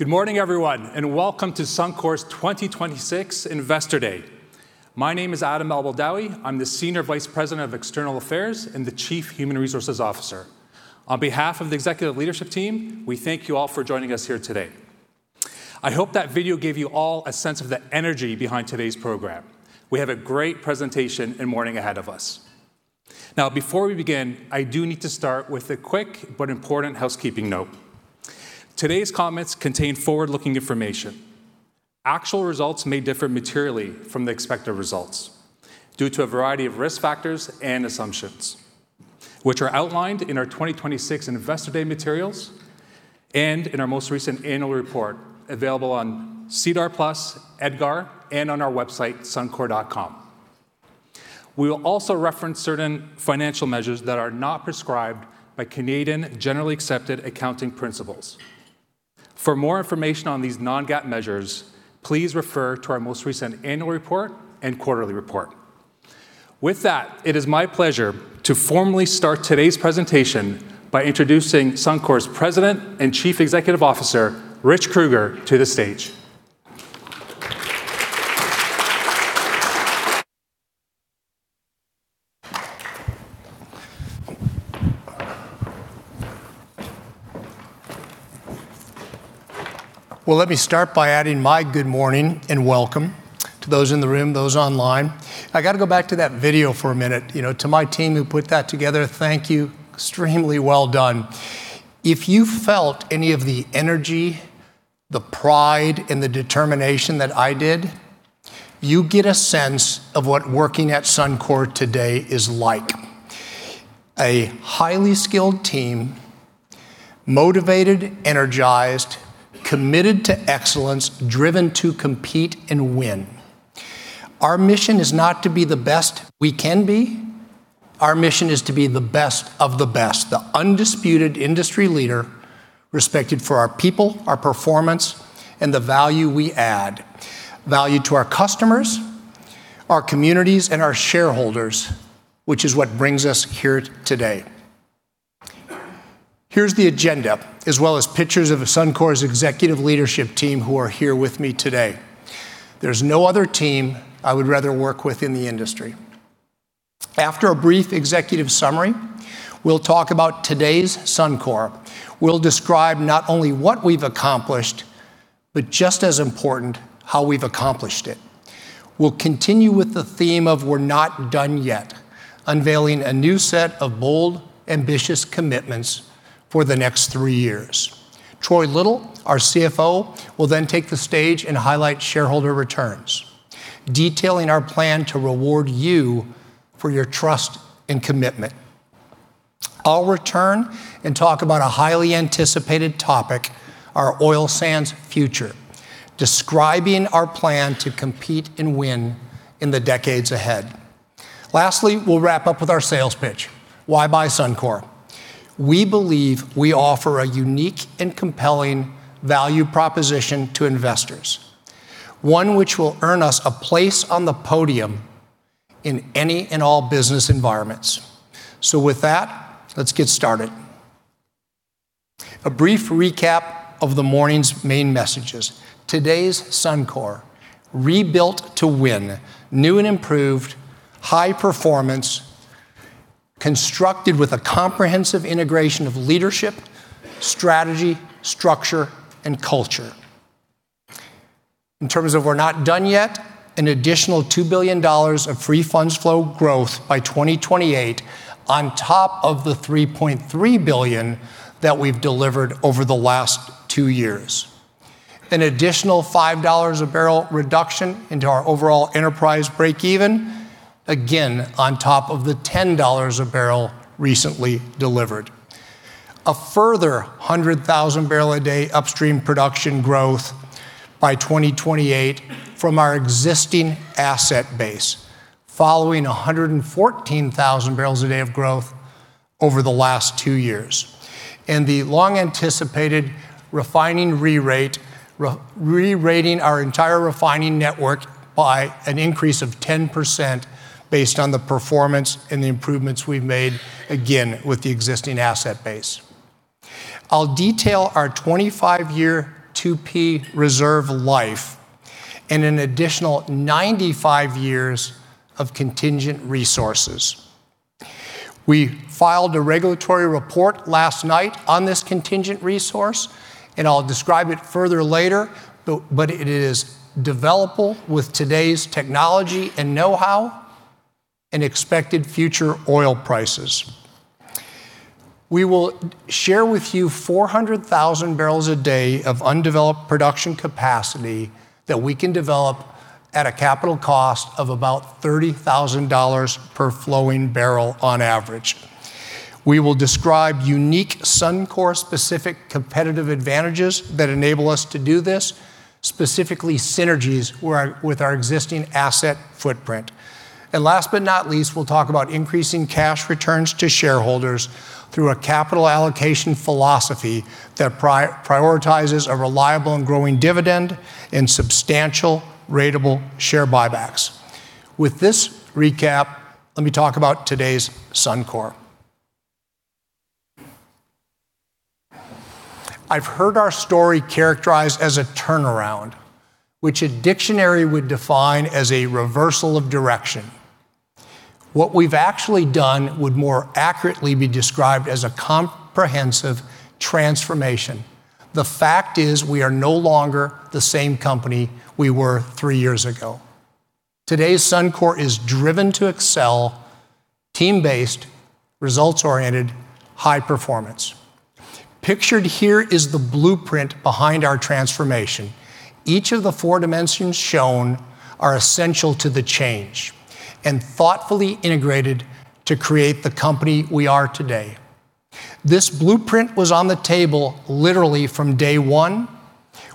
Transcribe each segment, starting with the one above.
Good morning, everyone, and welcome to Suncor's 2026 Investor Day. My name is Adam Albeldawi. I'm the Senior Vice President of External Affairs and the Chief Human Resources Officer. On behalf of the executive leadership team, we thank you all for joining us here today. I hope that video gave you all a sense of the energy behind today's program. We have a great presentation and morning ahead of us. Now before we begin, I do need to start with a quick but important housekeeping note. Today's comments contain forward-looking information. Actual results may differ materially from the expected results due to a variety of risk factors and assumptions, which are outlined in our 2026 Investor Day materials and in our most recent annual report available on SEDAR+, EDGAR, and on our website, suncor.com. We will also reference certain financial measures that are not prescribed by Canadian generally accepted accounting principles. For more information on these non-GAAP measures, please refer to our most recent annual report and quarterly report. With that, it is my pleasure to formally start today's presentation by introducing Suncor's President and Chief Executive Officer, Rich Kruger, to the stage. Well, let me start by adding my good morning and welcome to those in the room, those online. I gotta go back to that video for a minute. You know, to my team who put that together, thank you. Extremely well done. If you felt any of the energy, the pride, and the determination that I did, you get a sense of what working at Suncor today is like. A highly skilled team, motivated, energized, committed to excellence, driven to compete and win. Our mission is not to be the best we can be, our mission is to be the best of the best, the undisputed industry leader respected for our people, our performance, and the value we add. Value to our customers, our communities, and our shareholders, which is what brings us here today. Here's the agenda, as well as pictures of Suncor's executive leadership team who are here with me today. There's no other team I would rather work with in the industry. After a brief executive summary, we'll talk about today's Suncor. We'll describe not only what we've accomplished, but just as important, how we've accomplished it. We'll continue with the theme of we're not done yet, unveiling a new set of bold, ambitious commitments for the next three years. Troy Little, our CFO, will then take the stage and highlight shareholder returns, detailing our plan to reward you for your trust and commitment. I'll return and talk about a highly anticipated topic, our oil sands future, describing our plan to compete and win in the decades ahead. Lastly, we'll wrap up with our sales pitch. Why buy Suncor? We believe we offer a unique and compelling value proposition to investors, one which will earn us a place on the podium in any and all business environments. With that, let's get started. A brief recap of the morning's main messages. Today's Suncor, rebuilt to win, new and improved, high performance, constructed with a comprehensive integration of leadership, strategy, structure, and culture. In terms of, we're not done yet, an additional 2 billion dollars of free funds flow growth by 2028 on top of the 3.3 billion that we've delivered over the last two years. An additional $5 a barrel reduction in our overall enterprise breakeven, again, on top of the $10 a barrel recently delivered. A further 100,000 barrels a day upstream production growth by 2028 from our existing asset base, following 114,000 barrels a day of growth over the last 2 years. The long-anticipated refining re-rate, re-rating our entire refining network by an increase of 10% based on the performance and the improvements we've made, again, with the existing asset base. I'll detail our 25-year 2P reserve life and an additional 95 years of contingent resources. We filed a regulatory report last night on this contingent resource, and I'll describe it further later, but it is developable with today's technology and know-how and expected future oil prices. We will share with you 400,000 barrels a day of undeveloped production capacity that we can develop at a capital cost of about 30,000 dollars per flowing barrel on average. We will describe unique Suncor-specific competitive advantages that enable us to do this, specifically synergies with our existing asset footprint. Last but not least, we'll talk about increasing cash returns to shareholders through a capital allocation philosophy that prioritizes a reliable and growing dividend and substantial ratable share buybacks. With this recap, let me talk about today's Suncor. I've heard our story characterized as a turnaround, which a dictionary would define as a reversal of direction. What we've actually done would more accurately be described as a comprehensive transformation. The fact is we are no longer the same company we were three years ago. Today's Suncor is driven to excel, team-based, results-oriented, high performance. Pictured here is the blueprint behind our transformation. Each of the four dimensions shown are essential to the change and thoughtfully integrated to create the company we are today. This blueprint was on the table literally from day one.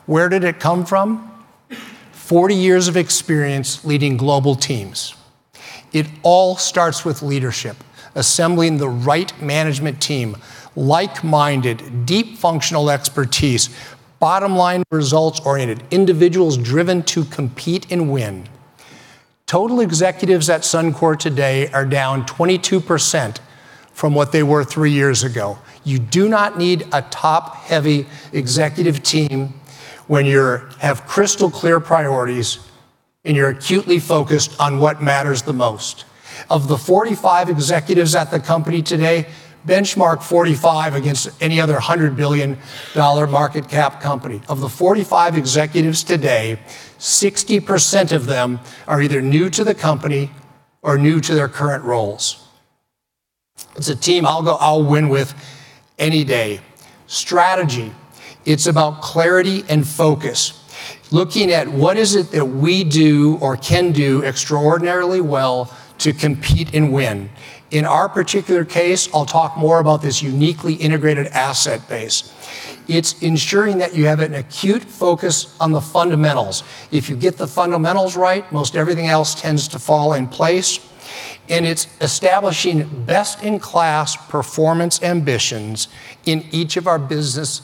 Where did it come from? 40 years of experience leading global teams. It all starts with leadership, assembling the right management team, like-minded, deep functional expertise, bottom line results-oriented, individuals driven to compete and win. Total executives at Suncor today are down 22% from what they were 3 years ago. You do not need a top-heavy executive team when you have crystal clear priorities and you're acutely focused on what matters the most. Of the 45 executives at the company today, benchmark 45 against any other $100 billion market cap company. Of the 45 executives today, 60% of them are either new to the company or new to their current roles. It's a team I'll win with any day. Strategy. It's about clarity and focus. Looking at what is it that we do or can do extraordinarily well to compete and win. In our particular case, I'll talk more about this uniquely integrated asset base. It's ensuring that you have an acute focus on the fundamentals. If you get the fundamentals right, most everything else tends to fall in place. It's establishing best-in-class performance ambitions in each of our businesses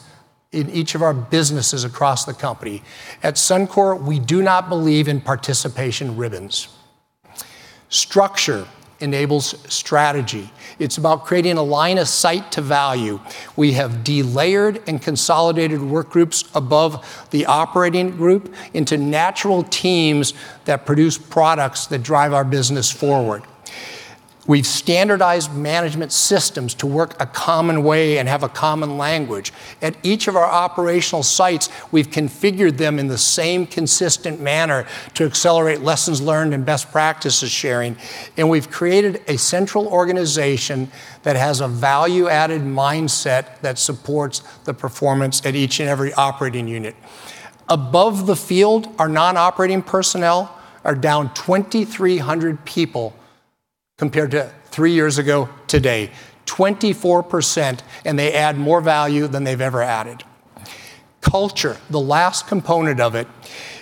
across the company. At Suncor, we do not believe in participation ribbons. Structure enables strategy. It's about creating a line of sight to value. We have delayered and consolidated work groups above the operating group into natural teams that produce products that drive our business forward. We've standardized management systems to work a common way and have a common language. At each of our operational sites, we've configured them in the same consistent manner to accelerate lessons learned and best practices sharing. We've created a central organization that has a value-added mindset that supports the performance at each and every operating unit. Above the field, our non-operating personnel are down 2,300 people compared to three years ago today. 24%, they add more value than they've ever added. Culture, the last component of it.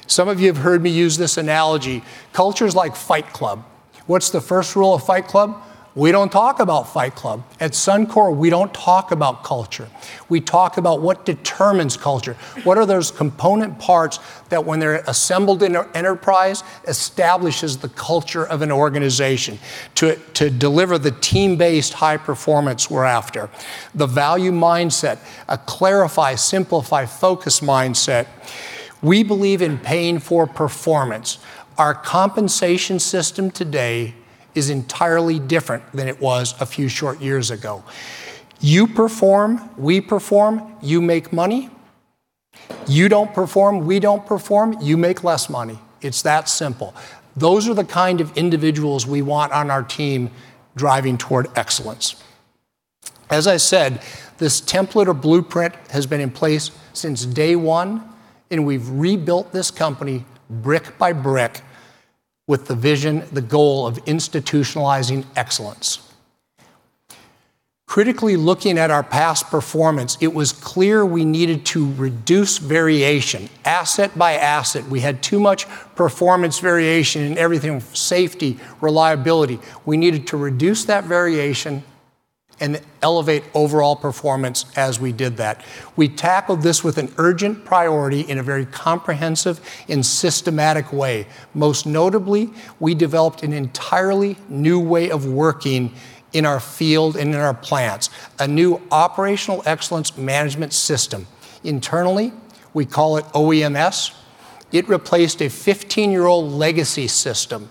Some of you have heard me use this analogy. Culture is like Fight Club. What's the first rule of Fight Club? We don't talk about Fight Club. At Suncor, we don't talk about culture. We talk about what determines culture. What are those component parts that when they're assembled in an enterprise establishes the culture of an organization to deliver the team-based high performance we're after? The value mindset, a clarify, simplify, focus mindset. We believe in paying for performance. Our compensation system today is entirely different than it was a few short years ago. You perform, we perform, you make money. You don't perform, we don't perform, you make less money. It's that simple. Those are the kind of individuals we want on our team driving toward excellence. As I said, this template or blueprint has been in place since day one, and we've rebuilt this company brick by brick with the vision, the goal of institutionalizing excellence. Critically looking at our past performance, it was clear we needed to reduce variation asset by asset. We had too much performance variation in everything, safety, reliability. We needed to reduce that variation and elevate overall performance as we did that. We tackled this with an urgent priority in a very comprehensive and systematic way. Most notably, we developed an entirely new way of working in our field and in our plants, a new Operational Excellence Management System. Internally, we call it OEMS. It replaced a 15-year-old legacy system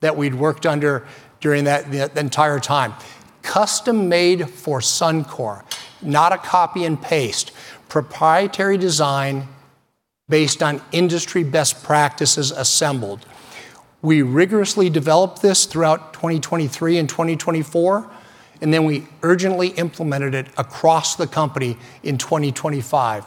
that we'd worked under during that, the entire time. Custom-made for Suncor, not a copy-and-paste, proprietary design based on industry best practices assembled. We rigorously developed this throughout 2023 and 2024, and then we urgently implemented it across the company in 2025.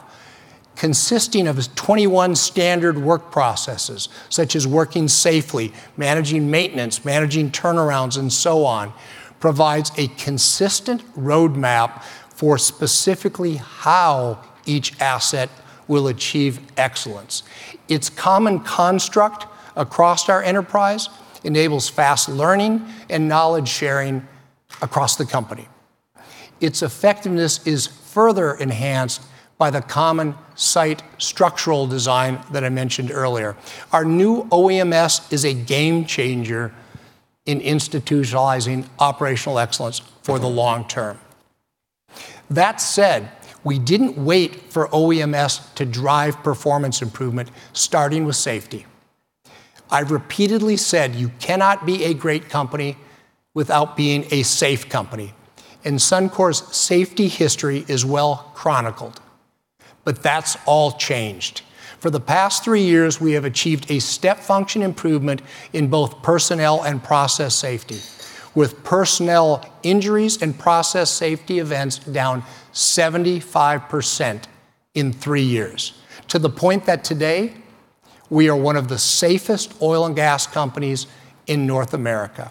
Consisting of its 21 standard work processes, such as working safely, managing maintenance, managing turnarounds, and so on, provides a consistent roadmap for specifically how each asset will achieve excellence. Its common construct across our enterprise enables fast learning and knowledge sharing across the company. Its effectiveness is further enhanced by the common site structural design that I mentioned earlier. Our new OEMS is a game changer in institutionalizing operational excellence for the long term. That said, we didn't wait for OEMS to drive performance improvement, starting with safety. I've repeatedly said you cannot be a great company without being a safe company, and Suncor's safety history is well chronicled. That's all changed. For the past three years, we have achieved a step function improvement in both personnel and process safety, with personnel injuries and process safety events down 75% in three years, to the point that today we are one of the safest oil and gas companies in North America,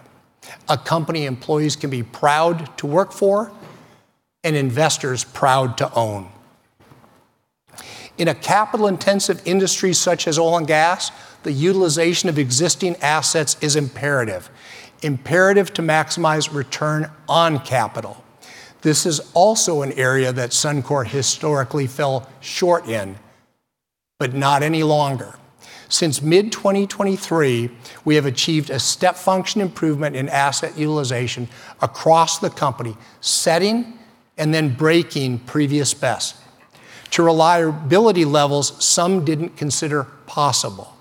a company employees can be proud to work for and investors proud to own. In a capital-intensive industry such as oil and gas, the utilization of existing assets is imperative to maximize return on capital. This is also an area that Suncor historically fell short in, but not any longer. Since mid-2023, we have achieved a step function improvement in asset utilization across the company, setting and then breaking previous bests to reliability levels some didn't consider possible.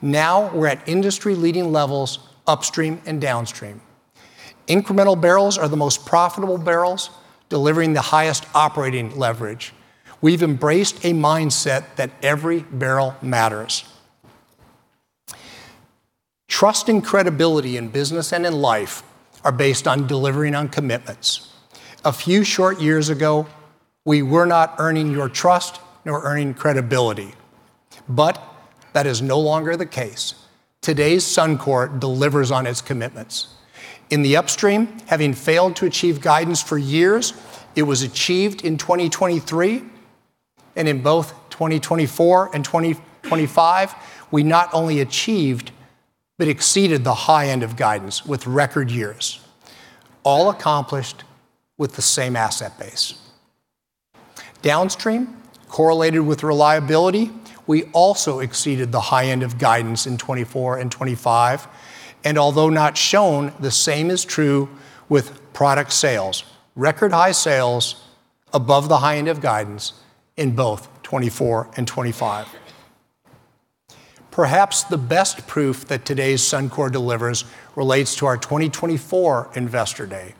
Now we're at industry-leading levels, upstream and downstream. Incremental barrels are the most profitable barrels, delivering the highest operating leverage. We've embraced a mindset that every barrel matters. Trust and credibility in business and in life are based on delivering on commitments. A few short years ago, we were not earning your trust nor earning credibility, but that is no longer the case. Today's Suncor delivers on its commitments. In the Upstream, having failed to achieve guidance for years, it was achieved in 2023 and in both 2024 and 2025, we not only achieved but exceeded the high end of guidance with record years, all accomplished with the same asset base. Downstream, correlated with reliability, we also exceeded the high end of guidance in 2024 and 2025. Although not shown, the same is true with product sales. Record high sales above the high end of guidance in both 2024 and 2025. Perhaps the best proof that today's Suncor delivers relates to our 2024 Investor Day.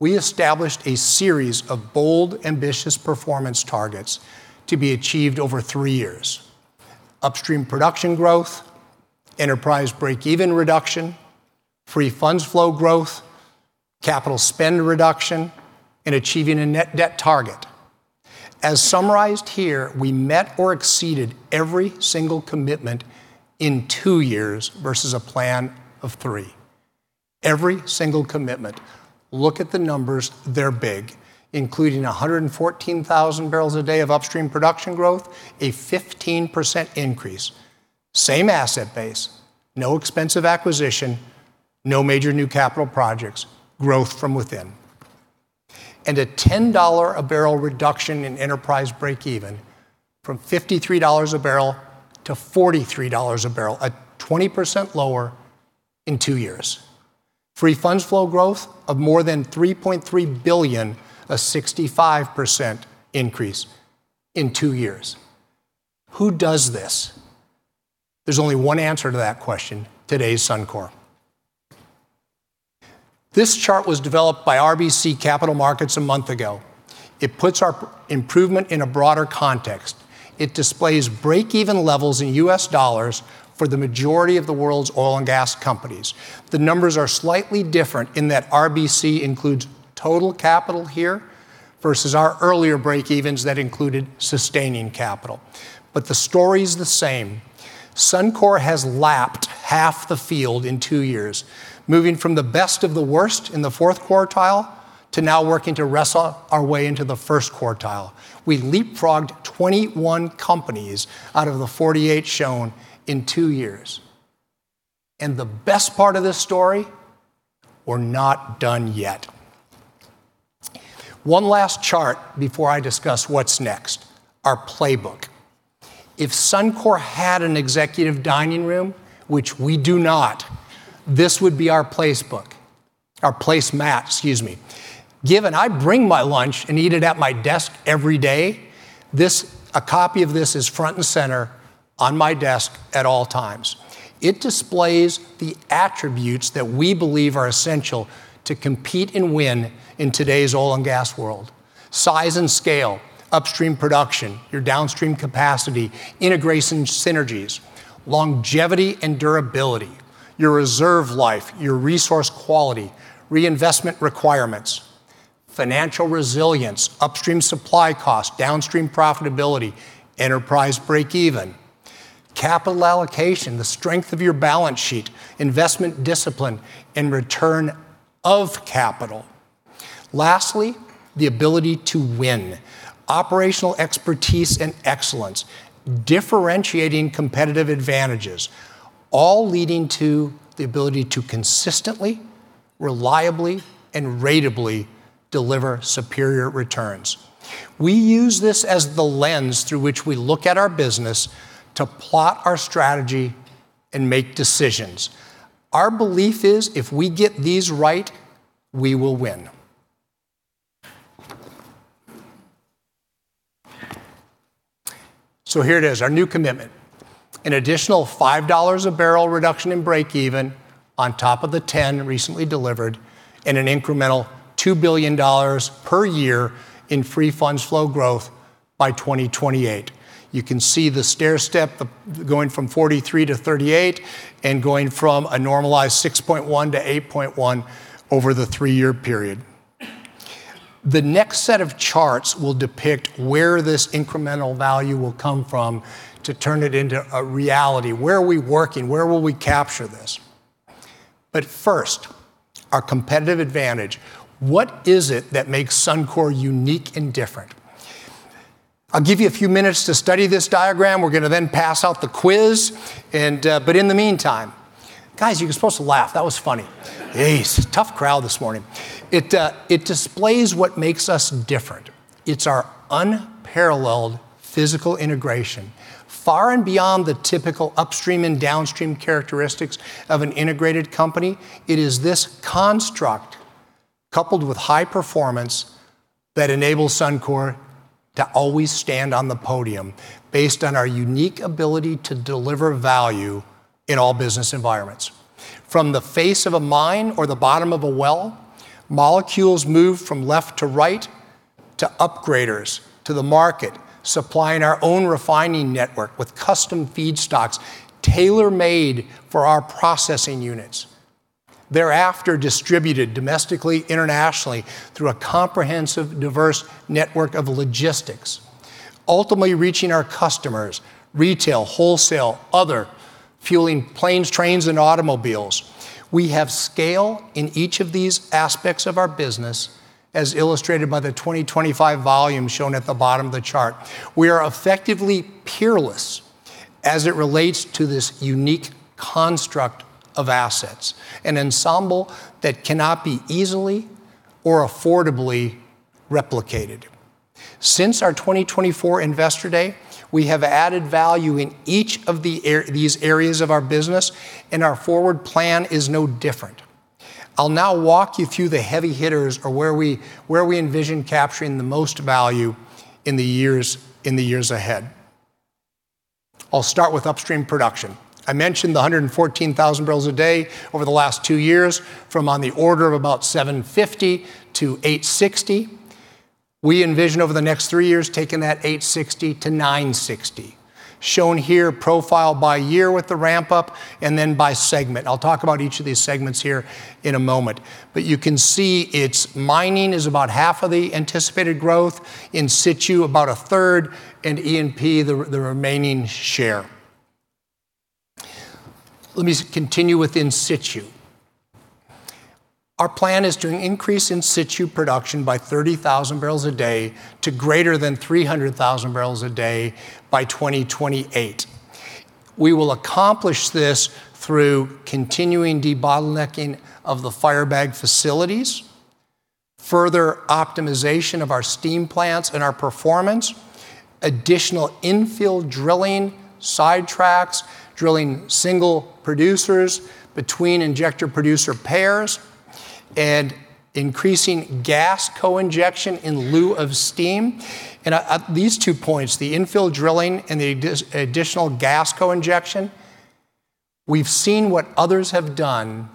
We established a series of bold, ambitious performance targets to be achieved over three years. Upstream production growth, enterprise break-even reduction, free funds flow growth, capital spend reduction, and achieving a net debt target. As summarized here, we met or exceeded every single commitment in two years versus a plan of three. Every single commitment. Look at the numbers, they're big, including 114,000 barrels a day of upstream production growth, a 15% increase. Same asset base, no expensive acquisition, no major new capital projects, growth from within. A $10 a barrel reduction in enterprise break even from $53 a barrel to $43 a barrel, 20% lower in two years. Free funds flow growth of more than 3.3 billion, a 65% increase in two years. Who does this? There's only one answer to that question, today's Suncor. This chart was developed by RBC Capital Markets a month ago. It puts our improvement in a broader context. It displays break-even levels in US dollars for the majority of the world's oil and gas companies. The numbers are slightly different in that RBC includes total capital here versus our earlier break-evens that included sustaining capital. The story's the same. Suncor has lapped half the field in two years, moving from the best of the worst in the fourth quartile to now working to wrestle our way into the first quartile. We leapfrogged 21 companies out of the 48 shown in two years. The best part of this story, we're not done yet. One last chart before I discuss what's next, our playbook. If Suncor had an executive dining room, which we do not, this would be our place mat, excuse me. Given I bring my lunch and eat it at my desk every day, this, a copy of this is front and center on my desk at all times. It displays the attributes that we believe are essential to compete and win in today's oil and gas world. Size and scale, upstream production, your downstream capacity, integration synergies, longevity and durability, your reserve life, your resource quality, reinvestment requirements, financial resilience, upstream supply cost, downstream profitability, enterprise break even, capital allocation, the strength of your balance sheet, investment discipline, and return of capital. Lastly, the ability to win. Operational expertise and excellence, differentiating competitive advantages, all leading to the ability to consistently, reliably, and ratably deliver superior returns. We use this as the lens through which we look at our business to plot our strategy and make decisions. Our belief is if we get these right, we will win. Here it is, our new commitment. An additional $5 a barrel reduction in breakeven on top of the $10 recently delivered and an incremental 2 billion dollars per year in free funds flow growth by 2028. You can see the stairstep going from $43 to $38 and going from a normalized 6.1 to 8.1 over the three-year period. The next set of charts will depict where this incremental value will come from to turn it into a reality. Where are we working? Where will we capture this? First, our competitive advantage. What is it that makes Suncor unique and different? I'll give you a few minutes to study this diagram. We're gonna then pass out the quiz and, but in the meantime. Guys, you were supposed to laugh. That was funny. Geez, tough crowd this morning. It displays what makes us different. It's our unparalleled physical integration far and beyond the typical upstream and downstream characteristics of an integrated company. It is this construct coupled with high performance that enables Suncor to always stand on the podium based on our unique ability to deliver value in all business environments. From the face of a mine or the bottom of a well, molecules move from left to right to upgraders to the market, supplying our own refining network with custom feedstocks, tailor-made for our processing units. Thereafter distributed domestically, internationally through a comprehensive, diverse network of logistics, ultimately reaching our customers, retail, wholesale, other, fueling planes, trains, and automobiles. We have scale in each of these aspects of our business as illustrated by the 2025 volume shown at the bottom of the chart. We are effectively peerless as it relates to this unique construct of assets, an ensemble that cannot be easily or affordably replicated. Since our 2024 Investor Day, we have added value in each of these areas of our business and our forward plan is no different. I'll now walk you through the heavy hitters or where we envision capturing the most value in the years ahead. I'll start with upstream production. I mentioned the 114,000 barrels a day over the last two years from on the order of about 750-860. We envision over the next three years taking that 860-960. Shown here profiled by year with the ramp-up and then by segment. I'll talk about each of these segments here in a moment. You can see its mining is about half of the anticipated growth, in situ about a third, and E&P the remaining share. Let me continue with in situ. Our plan is to increase in situ production by 30,000 barrels a day to greater than 300,000 barrels a day by 2028. We will accomplish this through continuing debottlenecking of the Firebag facilities, further optimization of our steam plants and our performance, additional infill drilling, sidetracks, drilling single producers between injector producer pairs, and increasing gas co-injection in lieu of steam. At these two points, the infill drilling and the additional gas co-injection, we've seen what others have done,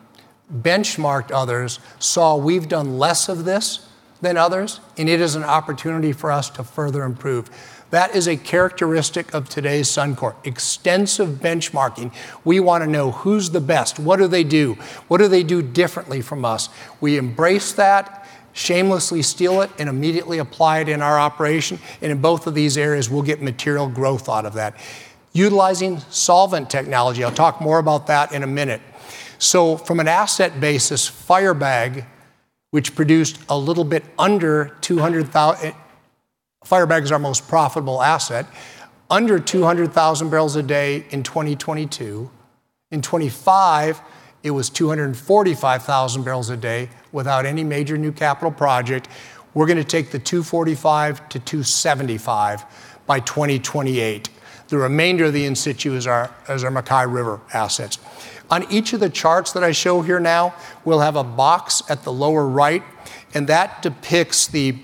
benchmarked others, saw we've done less of this than others, and it is an opportunity for us to further improve. That is a characteristic of today's Suncor, extensive benchmarking. We wanna know who's the best, what do they do, what do they do differently from us. We embrace that, shamelessly steal it, and immediately apply it in our operation. In both of these areas, we'll get material growth out of that. Utilizing solvent technology, I'll talk more about that in a minute. From an asset basis, Firebag, which produced under 200,000 barrels a day in 2022, is our most profitable asset. In 2025, it was 245,000 barrels a day without any major new capital project. We're gonna take the 245 to 275 by 2028. The remainder of the in situ is our MacKay River assets. On each of the charts that I show here now, we'll have a box at the lower right, and that depicts the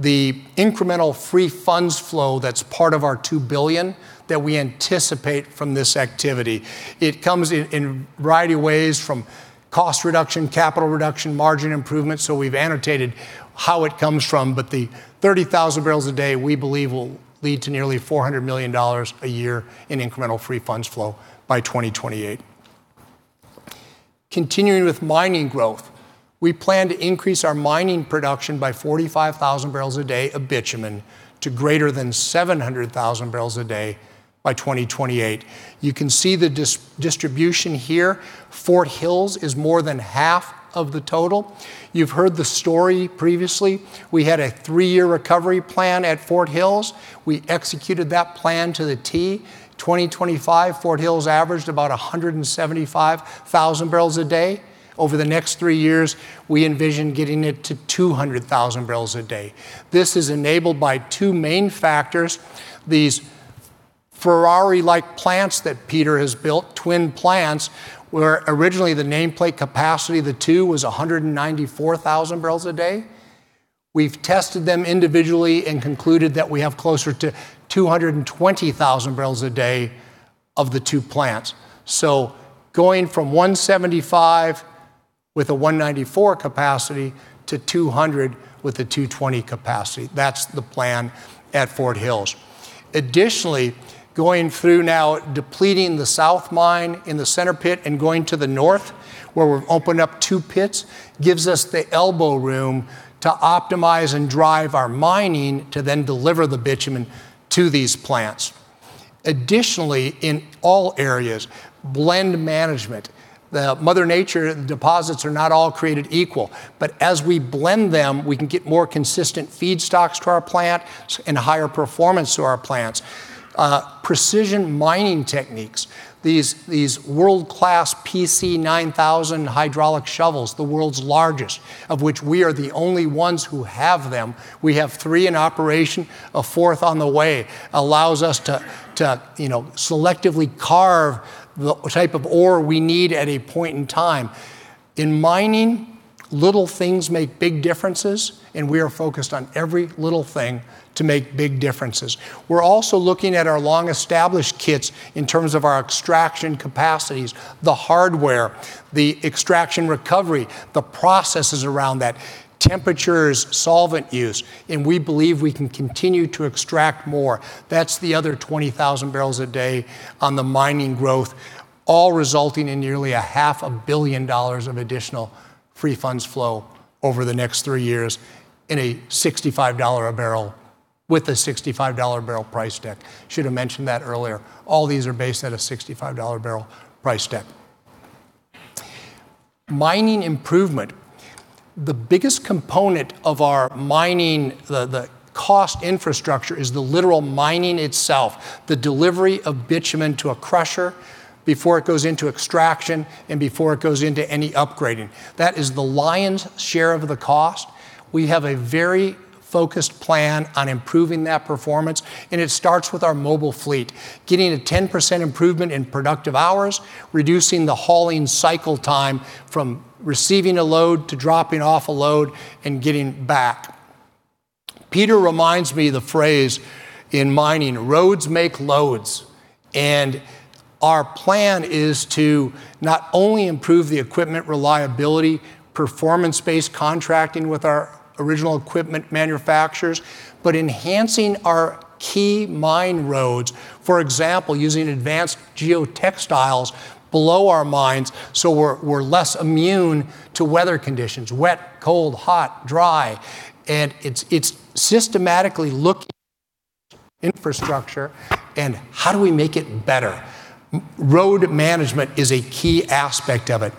incremental free funds flow that's part of our 2 billion that we anticipate from this activity. It comes in a variety of ways from cost reduction, capital reduction, margin improvement, so we've annotated how it comes from. The 30,000 barrels a day, we believe will lead to nearly 400 million dollars a year in incremental free funds flow by 2028. Continuing with mining growth. We plan to increase our mining production by 45,000 barrels a day of bitumen to greater than 700,000 barrels a day by 2028. You can see the distribution here. Fort Hills is more than half of the total. You've heard the story previously. We had a 3-year recovery plan at Fort Hills. We executed that plan to the T. In 2025, Fort Hills averaged about 175,000 barrels a day. Over the next three years, we envision getting it to 200,000 barrels a day. This is enabled by two main factors, these Ferrari-like plants that Peter has built, twin plants, where originally the nameplate capacity of the two was 194,000 barrels a day. We've tested them individually and concluded that we have closer to 220,000 barrels a day of the two plants. Going from 175 with a 194 capacity to 200 with a 220 capacity. That's the plan at Fort Hills. Additionally, going through now depleting the south mine in the center pit and going to the north, where we've opened up two pits, gives us the elbow room to optimize and drive our mining to then deliver the bitumen to these plants. Additionally, in all areas, blend management. Mother Nature deposits are not all created equal, but as we blend them, we can get more consistent feedstocks to our plant and higher performance to our plants. Precision mining techniques. These world-class PC9000 hydraulic shovels, the world's largest, of which we are the only ones who have them. We have three in operation, a fourth on the way, allows us to you know, selectively carve the type of ore we need at a point in time. In mining, little things make big differences, and we are focused on every little thing to make big differences. We're also looking at our long-established pits in terms of our extraction capacities, the hardware, the extraction recovery, the processes around that, temperatures, solvent use, and we believe we can continue to extract more. That's the other 20,000 barrels a day on the mining growth, all resulting in nearly a half a billion dollars of additional free funds flow over the next three years in a $65 a barrel with a $65 barrel price deck. Should have mentioned that earlier. All these are based at a $65 barrel price deck. Mining improvement. The biggest component of our mining, the cost structure is the literal mining itself, the delivery of bitumen to a crusher before it goes into extraction and before it goes into any upgrading. That is the lion's share of the cost. We have a very focused plan on improving that performance, and it starts with our mobile fleet, getting a 10% improvement in productive hours, reducing the hauling cycle time from receiving a load to dropping off a load and getting back. Peter reminds me the phrase in mining, "Roads make loads." Our plan is to not only improve the equipment reliability, performance-based contracting with our original equipment manufacturers, but enhancing our key mine roads. For example, using advanced geotextiles below our mines, so we're less immune to weather conditions, wet, cold, hot, dry. It's systematically looking at infrastructure and how do we make it better. Road management is a key aspect of it.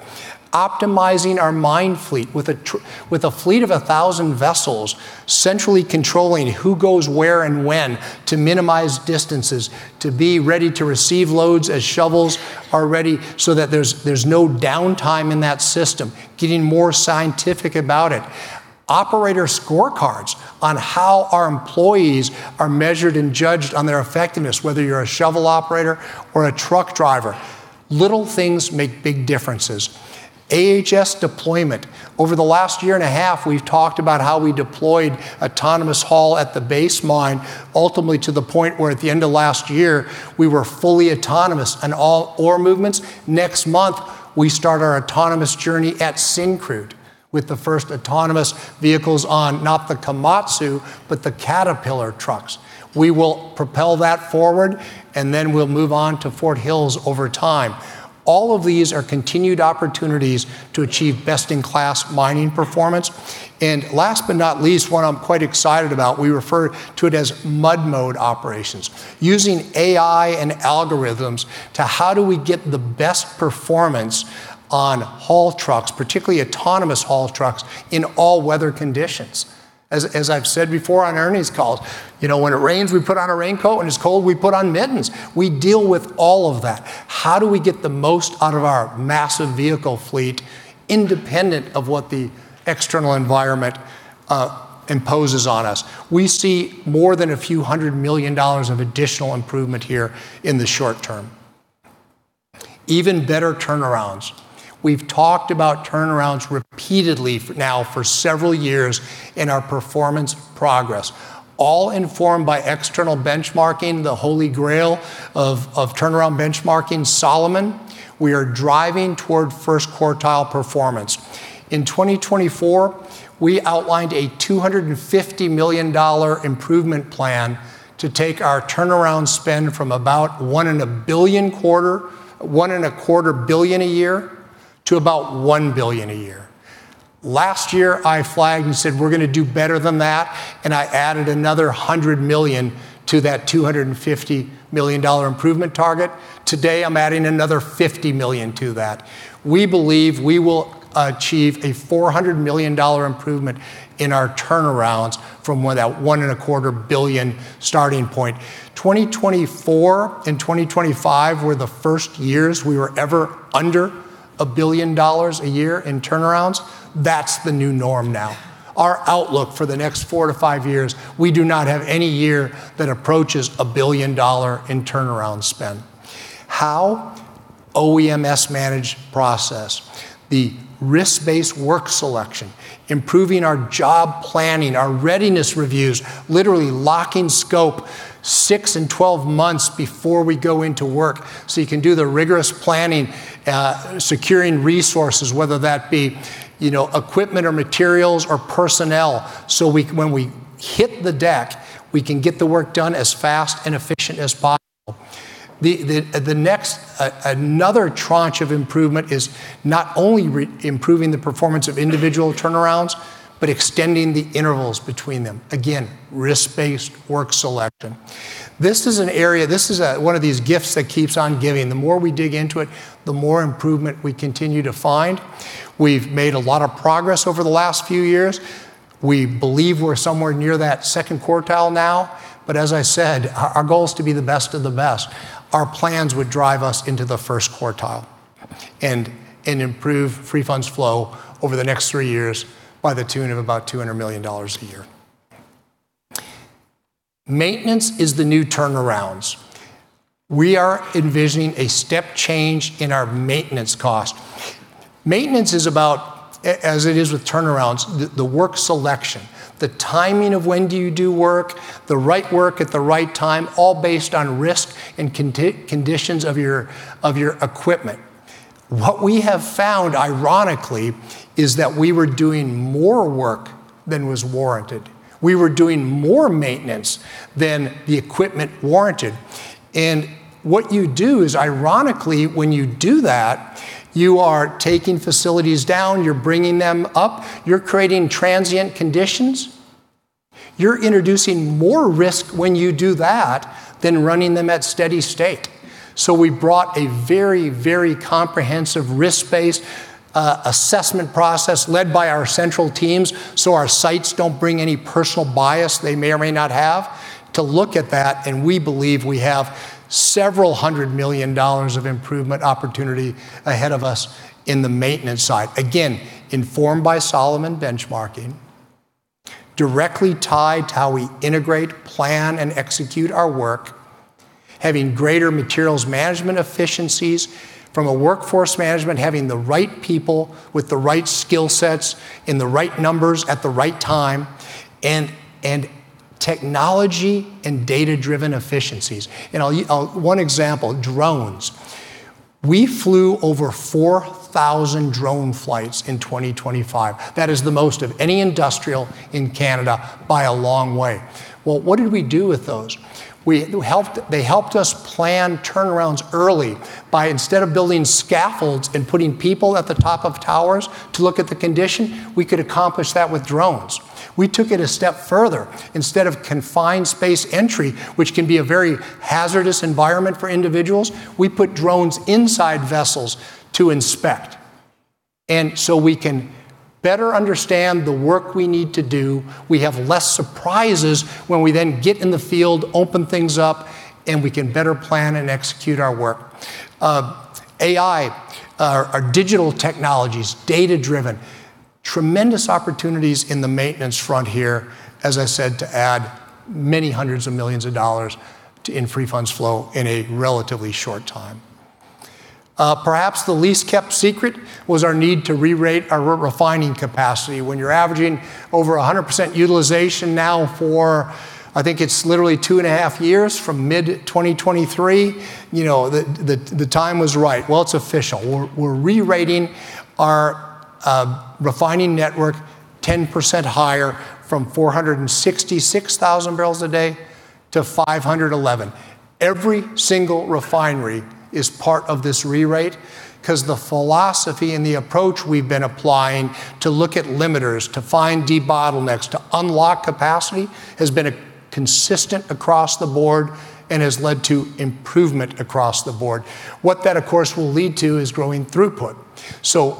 Optimizing our mine fleet with a fleet of 1,000 vessels, centrally controlling who goes where and when to minimize distances, to be ready to receive loads as shovels are ready so that there's no downtime in that system, getting more scientific about it. Operator scorecards on how our employees are measured and judged on their effectiveness, whether you're a shovel operator or a truck driver. Little things make big differences. AHS deployment. Over the last year and a half, we've talked about how we deployed autonomous haul at the base mine, ultimately to the point where at the end of last year, we were fully autonomous on all ore movements. Next month, we start our autonomous journey at Syncrude with the first autonomous vehicles on not the Komatsu, but the Caterpillar trucks. We will propel that forward, and then we'll move on to Fort Hills over time. All of these are continued opportunities to achieve best-in-class mining performance. Last but not least, one I'm quite excited about, we refer to it as mud mode operations. Using AI and algorithms to how do we get the best performance on haul trucks, particularly autonomous haul trucks, in all weather conditions. As I've said before on Ernie's calls, you know, when it rains, we put on a raincoat, and it's cold, we put on mittens. We deal with all of that. How do we get the most out of our massive vehicle fleet independent of what the external environment imposes on us? We see more than a few hundred million CAD of additional improvement here in the short term. Even better turnarounds. We've talked about turnarounds repeatedly now for several years in our performance progress, all informed by external benchmarking, the holy grail of turnaround benchmarking, Solomon. We are driving toward first quartile performance. In 2024, we outlined a 250 million dollar improvement plan to take our turnaround spend from about 1.25 billion a year to about 1 billion a year. Last year, I flagged and said, "We're gonna do better than that," and I added another 100 million to that 250 million dollar improvement target. Today, I'm adding another 50 million to that. We believe we will achieve a 400 million dollar improvement in our turnarounds from that 1.25 billion starting point. 2024 and 2025 were the first years we were ever under 1 billion dollars a year in turnarounds. That's the new norm now. Our outlook for the next 4-5 years, we do not have any year that approaches 1 billion dollar in turnaround spend. How? OEMS-managed process, the risk-based work selection, improving our job planning, our readiness reviews, literally locking scope 6 and 12 months before we go into work, so you can do the rigorous planning, securing resources, whether that be, you know, equipment or materials or personnel, so when we hit the deck, we can get the work done as fast and efficient as possible. The next another tranche of improvement is not only improving the performance of individual turnarounds, but extending the intervals between them. Again, risk-based work selection. This is an area, one of these gifts that keeps on giving. The more we dig into it, the more improvement we continue to find. We've made a lot of progress over the last few years. We believe we're somewhere near that second quartile now, but as I said, our goal is to be the best of the best. Our plans would drive us into the first quartile and improve free funds flow over the next three years by the tune of about 200 million dollars a year. Maintenance is the new turnarounds. We are envisioning a step change in our maintenance cost. Maintenance is about as it is with turnarounds, the work selection, the timing of when do you do work, the right work at the right time, all based on risk and condition of your equipment. What we have found, ironically, is that we were doing more work than was warranted. We were doing more maintenance than the equipment warranted. What you do is, ironically, when you do that, you are taking facilities down, you're bringing them up, you're creating transient conditions. You're introducing more risk when you do that than running them at steady state. We brought a very, very comprehensive risk-based assessment process led by our central teams, so our sites don't bring any personal bias they may or may not have to look at that, and we believe we have CAD several hundred million of improvement opportunity ahead of us in the maintenance side. Again, informed by Solomon benchmarking, directly tied to how we integrate, plan, and execute our work, having greater materials management efficiencies from a workforce management, having the right people with the right skill sets in the right numbers at the right time and technology and data-driven efficiencies. One example, drones. We flew over 4,000 drone flights in 2025. That is the most of any industrial in Canada by a long way. Well, what did we do with those? They helped us plan turnarounds early by instead of building scaffolds and putting people at the top of towers to look at the condition, we could accomplish that with drones. We took it a step further. Instead of confined space entry, which can be a very hazardous environment for individuals, we put drones inside vessels to inspect. We can better understand the work we need to do. We have less surprises when we then get in the field, open things up, and we can better plan and execute our work. AI, our digital technologies, data-driven, tremendous opportunities in the maintenance front here, as I said, to add many hundreds of millions CAD to free funds flow in a relatively short time. Perhaps the worst-kept secret was our need to re-rate our refining capacity. When you're averaging over 100% utilization now for, I think it's literally two and a half years from mid-2023, the time was right. Well, it's official. We're rerating our refining network 10% higher from 466,000 barrels a day to 511,000. Every single refinery is part of this rerate because the philosophy and the approach we've been applying to look at limiters, to find debottlenecks, to unlock capacity has been consistent across the board and has led to improvement across the board. What that, of course, will lead to is growing throughput.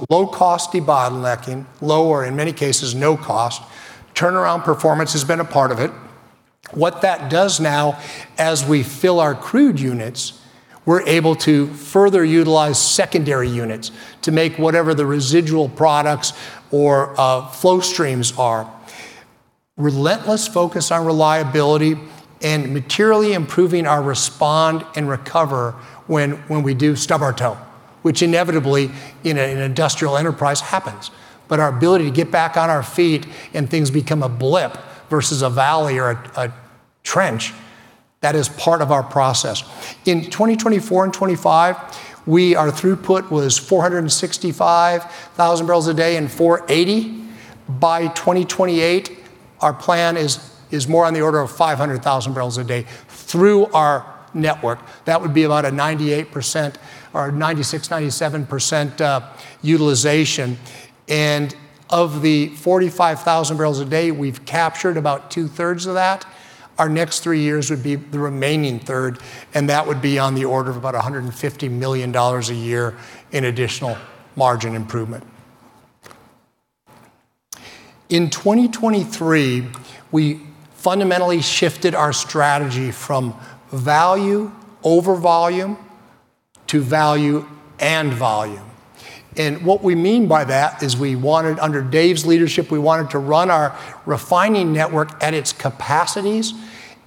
Low-cost debottlenecking, low or in many cases no cost, turnaround performance has been a part of it. What that does now, as we fill our crude units, we're able to further utilize secondary units to make whatever the residual products or flow streams are. Relentless focus on reliability and materially improving our response and recovery when we do stub our toe, which inevitably in an industrial enterprise happens. Our ability to get back on our feet and things become a blip versus a valley or a trench, that is part of our process. In 2024 and 2025, our throughput was 465,000 barrels a day and 480. By 2028, our plan is more on the order of 500,000 barrels a day through our network. That would be about 98% or 96%-97% utilization. Of the 45,000 barrels a day we've captured about two-thirds of that, our next three years would be the remaining third, and that would be on the order of about 150 million dollars a year in additional margin improvement. In 2023, we fundamentally shifted our strategy from value over volume to value and volume. What we mean by that is we wanted, under Dave's leadership, we wanted to run our refining network at its capacities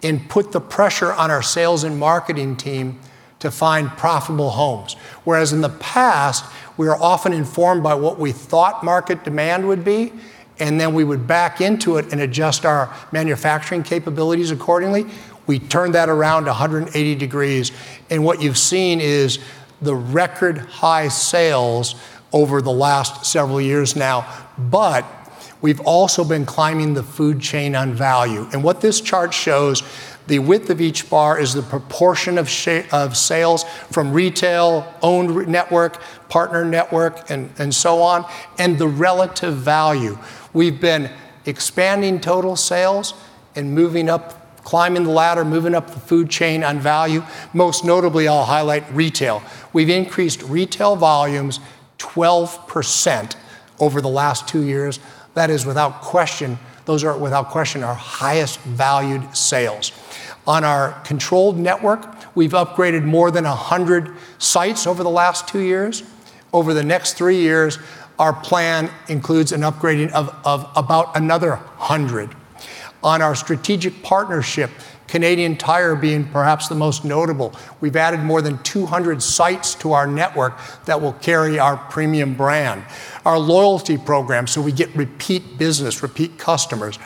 and put the pressure on our sales and marketing team to find profitable homes. Whereas in the past, we were often informed by what we thought market demand would be, and then we would back into it and adjust our manufacturing capabilities accordingly. We turned that around 180 degrees, and what you've seen is the record high sales over the last several years now. We've also been climbing the food chain on value. What this chart shows, the width of each bar is the proportion of sales from retail, owned network, partner network, and so on, and the relative value. We've been expanding total sales and moving up, climbing the ladder, moving up the food chain on value. Most notably, I'll highlight retail. We've increased retail volumes 12% over the last 2 years. That is without question. Those are without question our highest valued sales. On our controlled network, we've upgraded more than 100 sites over the last 2 years. Over the next 3 years, our plan includes an upgrading of about another 100. On our strategic partnership, Canadian Tire being perhaps the most notable, we've added more than 200 sites to our network that will carry our premium brand. Our loyalty program, so we get repeat business, repeat customers.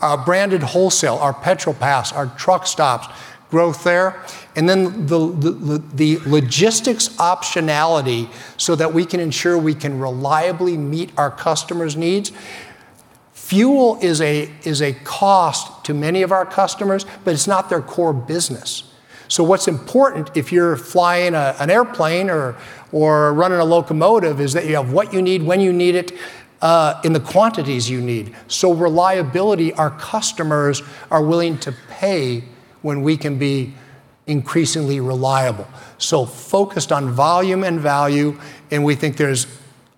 Our branded wholesale, our Petro-Pass, our truck stops, growth there. Then the logistics optionality so that we can ensure we can reliably meet our customers' needs. Fuel is a cost to many of our customers, but it's not their core business. What's important if you're flying an airplane or running a locomotive is that you have what you need, when you need it, in the quantities you need. Reliability, our customers are willing to pay when we can be increasingly reliable. Focused on volume and value, and we think there's,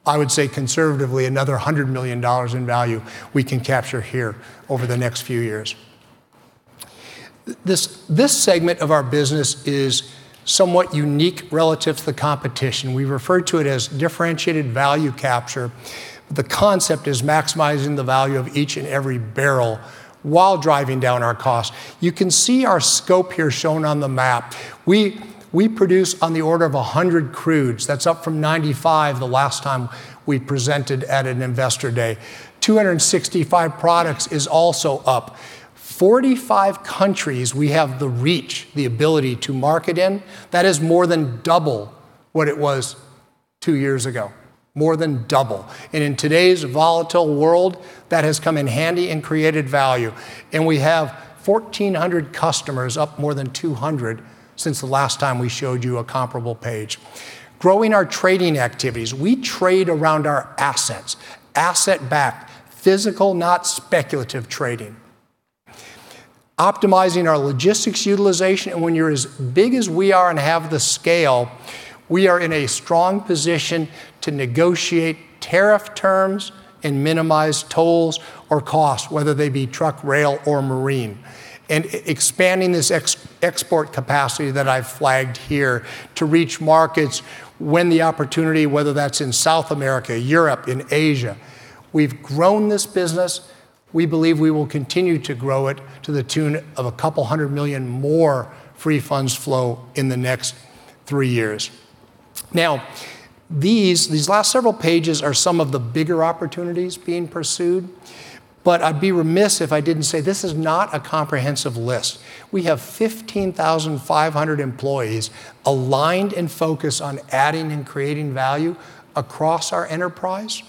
I would say conservatively, another 100 million dollars in value we can capture here over the next few years. This segment of our business is somewhat unique relative to the competition. We refer to it as differentiated value capture. The concept is maximizing the value of each and every barrel while driving down our costs. You can see our scope here shown on the map. We produce on the order of 100 crudes. That's up from 95 the last time we presented at an Investor Day. 265 products is also up. 45 countries we have the reach, the ability to market in. That is more than double what it was two years ago. More than double. In today's volatile world, that has come in handy and created value. We have 1,400 customers, up more than 200 since the last time we showed you a comparable page. Growing our trading activities. We trade around our assets. Asset-backed, physical, not speculative trading. Optimizing our logistics utilization. When you're as big as we are and have the scale, we are in a strong position to negotiate tariff terms and minimize tolls or costs, whether they be truck, rail or marine. Expanding this export capacity that I've flagged here to reach markets when the opportunity, whether that's in South America, Europe, in Asia. We've grown this business. We believe we will continue to grow it to the tune of 200 million more free funds flow in the next three years. These last several pages are some of the bigger opportunities being pursued, but I'd be remiss if I didn't say this is not a comprehensive list. We have 15,500 employees aligned and focused on adding and creating value across our enterprise.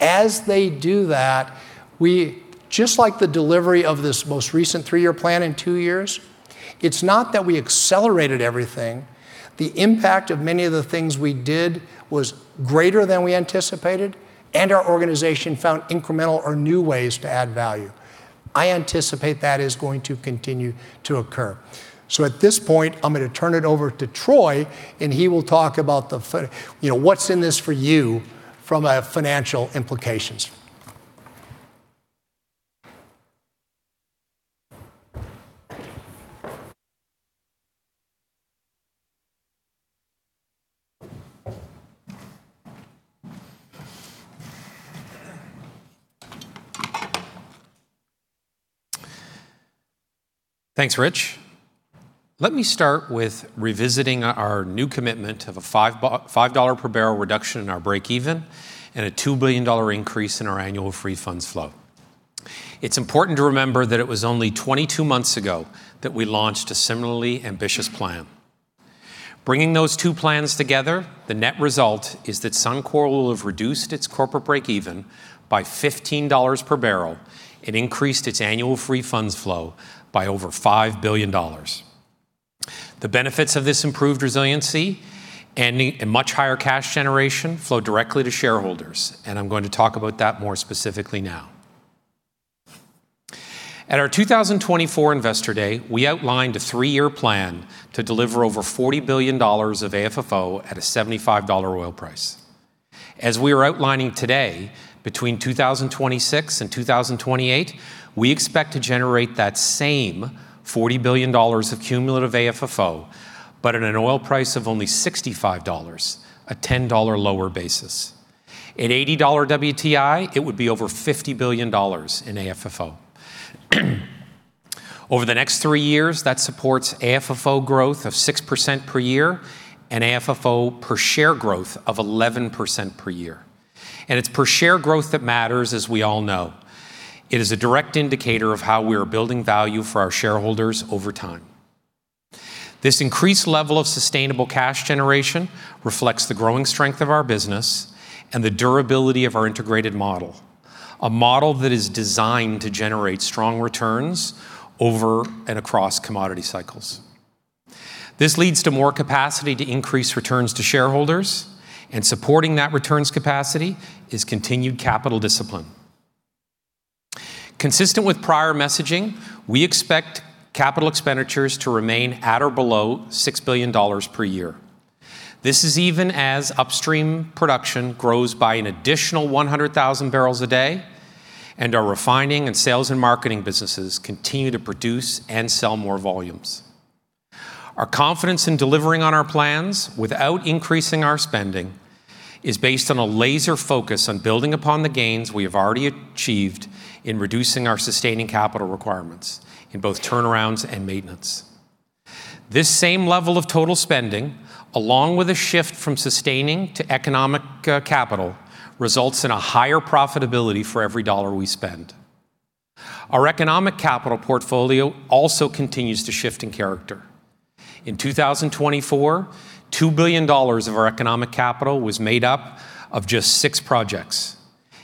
As they do that, we, just like the delivery of this most recent three-year plan in two years, it's not that we accelerated everything. The impact of many of the things we did was greater than we anticipated, and our organization found incremental or new ways to add value. I anticipate that is going to continue to occur. At this point, I'm gonna turn it over to Troy, and he will talk about you know, what's in this for you from a financial implications. Thanks, Rich. Let me start with revisiting our new commitment of a $5 per barrel reduction in our breakeven and a $2 billion increase in our annual free funds flow. It's important to remember that it was only 22 months ago that we launched a similarly ambitious plan. Bringing those two plans together, the net result is that Suncor will have reduced its corporate breakeven by $15 per barrel and increased its annual free funds flow by over $5 billion. The benefits of this improved resiliency and much higher cash generation flow directly to shareholders, and I'm going to talk about that more specifically now. At our 2024 Investor Day, we outlined a 3-year plan to deliver over 40 billion dollars of AFFO at a $75 oil price. As we are outlining today, between 2026 and 2028, we expect to generate that same 40 billion dollars of cumulative AFFO, but at an oil price of only $65, a $10 lower basis. At $80 WTI, it would be over 50 billion dollars in AFFO. Over the next 3 years, that supports AFFO growth of 6% per year and AFFO per share growth of 11% per year. It's per share growth that matters, as we all know. It is a direct indicator of how we are building value for our shareholders over time. This increased level of sustainable cash generation reflects the growing strength of our business and the durability of our integrated model, a model that is designed to generate strong returns over and across commodity cycles. This leads to more capacity to increase returns to shareholders, and supporting that returns capacity is continued capital discipline. Consistent with prior messaging, we expect capital expenditures to remain at or below 6 billion dollars per year. This is even as upstream production grows by an additional 100,000 barrels a day and our refining and sales and marketing businesses continue to produce and sell more volumes. Our confidence in delivering on our plans without increasing our spending is based on a laser focus on building upon the gains we have already achieved in reducing our sustaining capital requirements in both turnarounds and maintenance. This same level of total spending, along with a shift from sustaining to economic capital, results in a higher profitability for every dollar we spend. Our economic capital portfolio also continues to shift in character. In 2024, 2 billion dollars of our economic capital was made up of just six projects.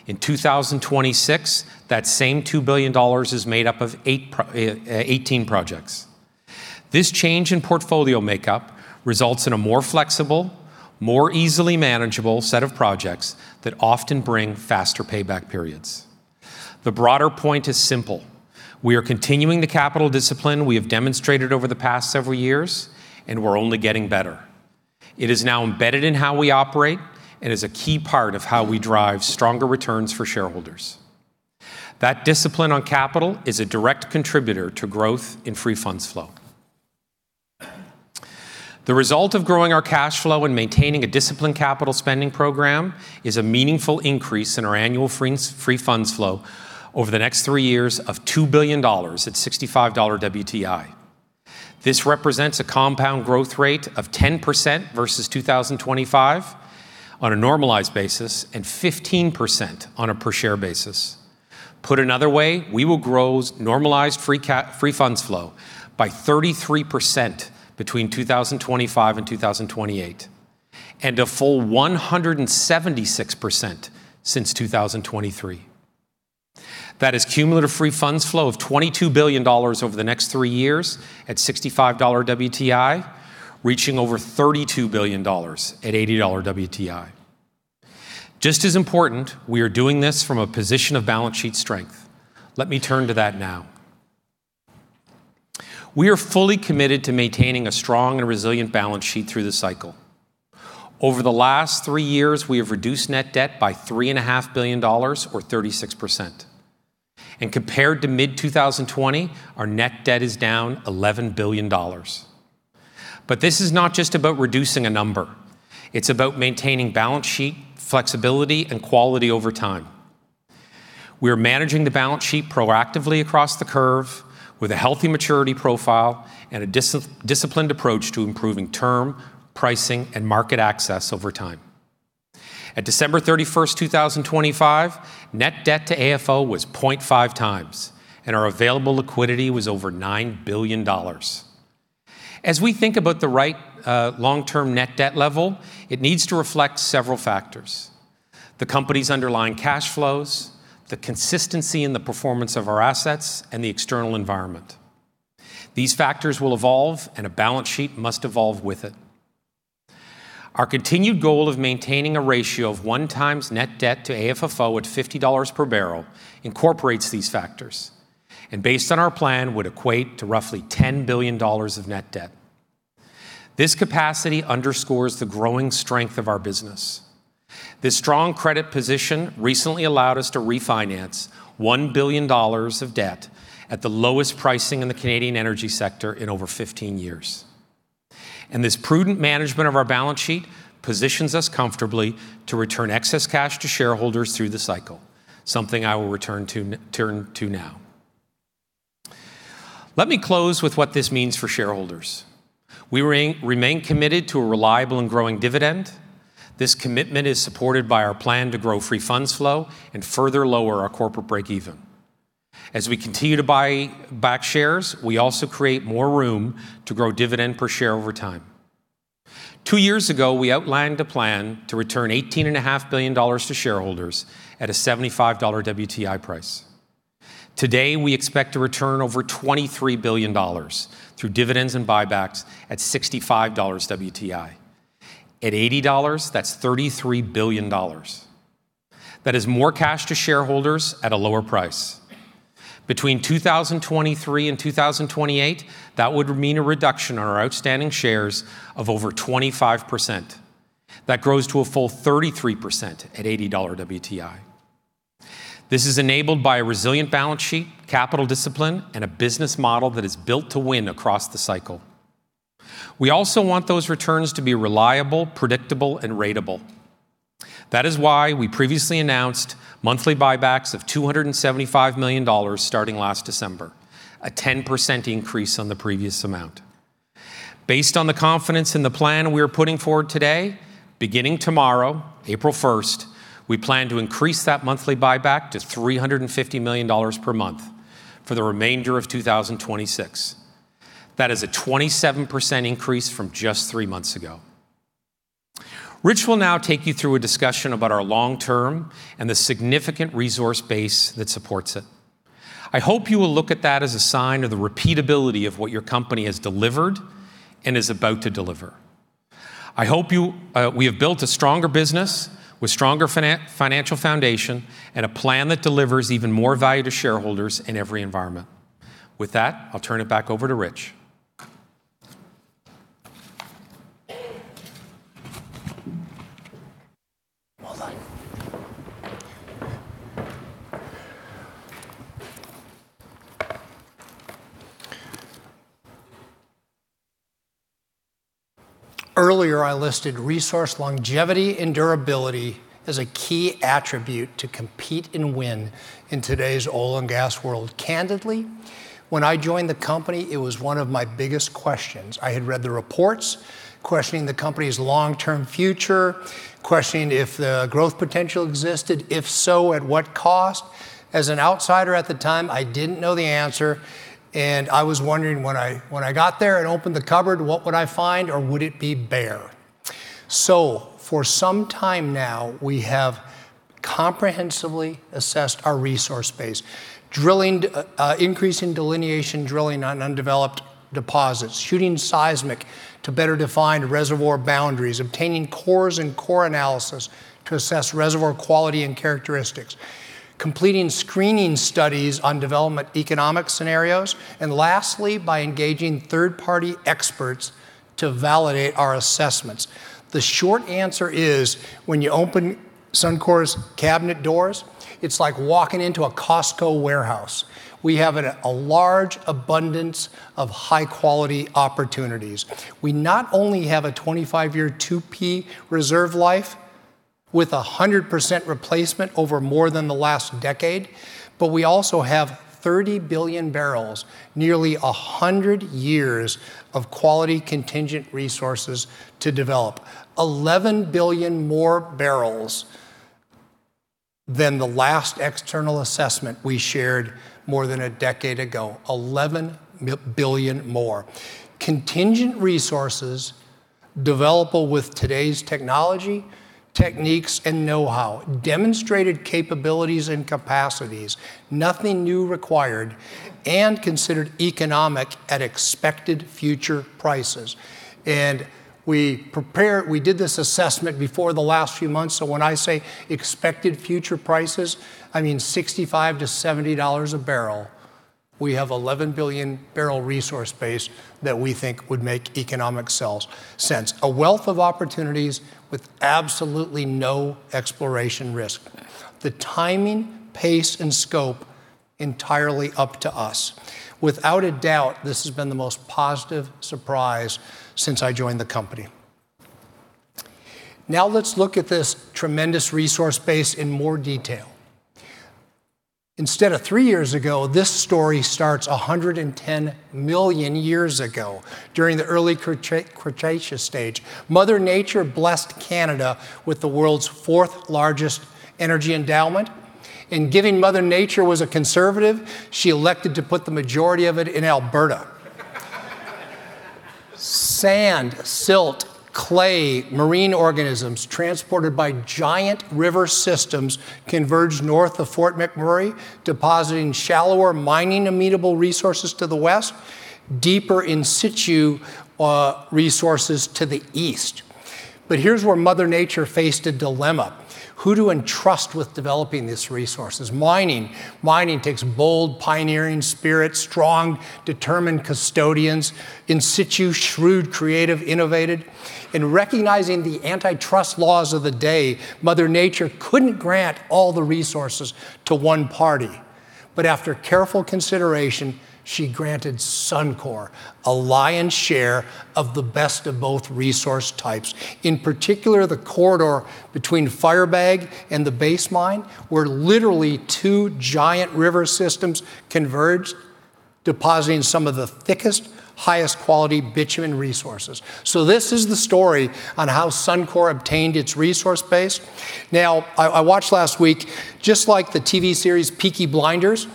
In 2026, that same 2 billion dollars is made up of 18 projects. This change in portfolio makeup results in a more flexible, more easily manageable set of projects that often bring faster payback periods. The broader point is simple. We are continuing the capital discipline we have demonstrated over the past several years, and we're only getting better. It is now embedded in how we operate and is a key part of how we drive stronger returns for shareholders. That discipline on capital is a direct contributor to growth in free funds flow. The result of growing our cash flow and maintaining a disciplined capital spending program is a meaningful increase in our annual free funds flow over the next 3 years of 2 billion dollars at $65 WTI. This represents a compound growth rate of 10% versus 2025 on a normalized basis and 15% on a per share basis. Put another way, we will grow normalized free funds flow by 33% between 2025 and 2028, and a full 176% since 2023. That is cumulative free funds flow of 22 billion dollars over the next 3 years at $65 WTI, reaching over 32 billion dollars at $80 WTI. Just as important, we are doing this from a position of balance sheet strength. Let me turn to that now. We are fully committed to maintaining a strong and resilient balance sheet through the cycle. Over the last three years, we have reduced net debt by 3.5 billion dollars or 36%. Compared to mid-2020, our net debt is down 11 billion dollars. This is not just about reducing a number. It's about maintaining balance sheet flexibility and quality over time. We are managing the balance sheet proactively across the curve with a healthy maturity profile and a disciplined approach to improving term, pricing, and market access over time. At December 31, 2025, net debt to AFFO was 0.5x, and our available liquidity was over 9 billion dollars. As we think about the right long-term net debt level, it needs to reflect several factors, the company's underlying cash flows, the consistency in the performance of our assets, and the external environment. These factors will evolve, and a balance sheet must evolve with it. Our continued goal of maintaining a ratio of 1x net debt to AFFO at $50 per barrel incorporates these factors, and based on our plan, would equate to roughly 10 billion dollars of net debt. This capacity underscores the growing strength of our business. This strong credit position recently allowed us to refinance 1 billion dollars of debt at the lowest pricing in the Canadian energy sector in over 15 years. This prudent management of our balance sheet positions us comfortably to return excess cash to shareholders through the cycle, something I will turn to now. Let me close with what this means for shareholders. We remain committed to a reliable and growing dividend. This commitment is supported by our plan to grow free funds flow and further lower our corporate breakeven. As we continue to buy back shares, we also create more room to grow dividend per share over time. Two years ago, we outlined a plan to return $18.5 billion to shareholders at a $75 WTI price. Today, we expect to return over $23 billion through dividends and buybacks at $65 WTI. At $80, that's $33 billion. That is more cash to shareholders at a lower price. Between 2023 and 2028, that would mean a reduction on our outstanding shares of over 25%. That grows to a full 33% at $80 WTI. This is enabled by a resilient balance sheet, capital discipline, and a business model that is built to win across the cycle. We also want those returns to be reliable, predictable, and ratable. That is why we previously announced monthly buybacks of 275 million dollars starting last December, a 10% increase on the previous amount. Based on the confidence in the plan we are putting forward today, beginning tomorrow, April 1, we plan to increase that monthly buyback to 350 million dollars per month for the remainder of 2026. That is a 27% increase from just 3 months ago. Rich will now take you through a discussion about our long-term and the significant resource base that supports it. I hope you will look at that as a sign of the repeatability of what your company has delivered and is about to deliver. I hope you, we have built a stronger business with stronger financial foundation and a plan that delivers even more value to shareholders in every environment. With that, I'll turn it back over to Rich. Well done. Earlier, I listed resource longevity and durability as a key attribute to compete and win in today's oil and gas world. Candidly, when I joined the company, it was one of my biggest questions. I had read the reports questioning the company's long-term future, questioning if the growth potential existed. If so, at what cost? As an outsider at the time, I didn't know the answer, and I was wondering when I got there and opened the cupboard, what would I find or would it be bare? For some time now, we have comprehensively assessed our resource base, drilling, increasing delineation drilling on undeveloped deposits, shooting seismic to better define reservoir boundaries, obtaining cores and core analysis to assess reservoir quality and characteristics, completing screening studies on development economic scenarios, and lastly, by engaging third-party experts to validate our assessments. The short answer is, when you open Suncor's cabinet doors, it's like walking into a Costco warehouse. We have a large abundance of high-quality opportunities. We not only have a 25-year 2P reserve life with 100% replacement over more than the last decade, but we also have 30 billion barrels, nearly 100 years of quality contingent resources to develop. Eleven billion more barrels than the last external assessment we shared more than a decade ago. Eleven billion more. Contingent resources developable with today's technology, techniques, and know-how. Demonstrated capabilities and capacities, nothing new required, and considered economic at expected future prices. We did this assessment before the last few months, so when I say expected future prices, I mean $65-$70 a barrel. We have 11 billion-barrel resource base that we think would make economic sense. A wealth of opportunities with absolutely no exploration risk. The timing, pace, and scope entirely up to us. Without a doubt, this has been the most positive surprise since I joined the company. Now, let's look at this tremendous resource base in more detail. Instead of three years ago, this story starts 110 million years ago during the early Cretaceous stage. Mother Nature blessed Canada with the world's fourth-largest energy endowment, and giving Mother Nature was a conservative, she elected to put the majority of it in Alberta. Sand, silt, clay, marine organisms transported by giant river systems converged north of Fort McMurray, depositing shallower mining amenable resources to the west, deeper in situ resources to the east. Here's where Mother Nature faced a dilemma. Who to entrust with developing these resources? Mining. Mining takes bold, pioneering spirit, strong, determined custodians, in situ, shrewd, creative, innovative. In recognizing the antitrust laws of the day, Mother Nature couldn't grant all the resources to one party. But after careful consideration, she granted Suncor a lion's share of the best of both resource types, in particular, the corridor between Firebag and the Base mine, where literally two giant river systems converged, depositing some of the thickest, highest quality bitumen resources. This is the story on how Suncor obtained its resource base. Now, I watched last week, just like the TV series Peaky Blinders,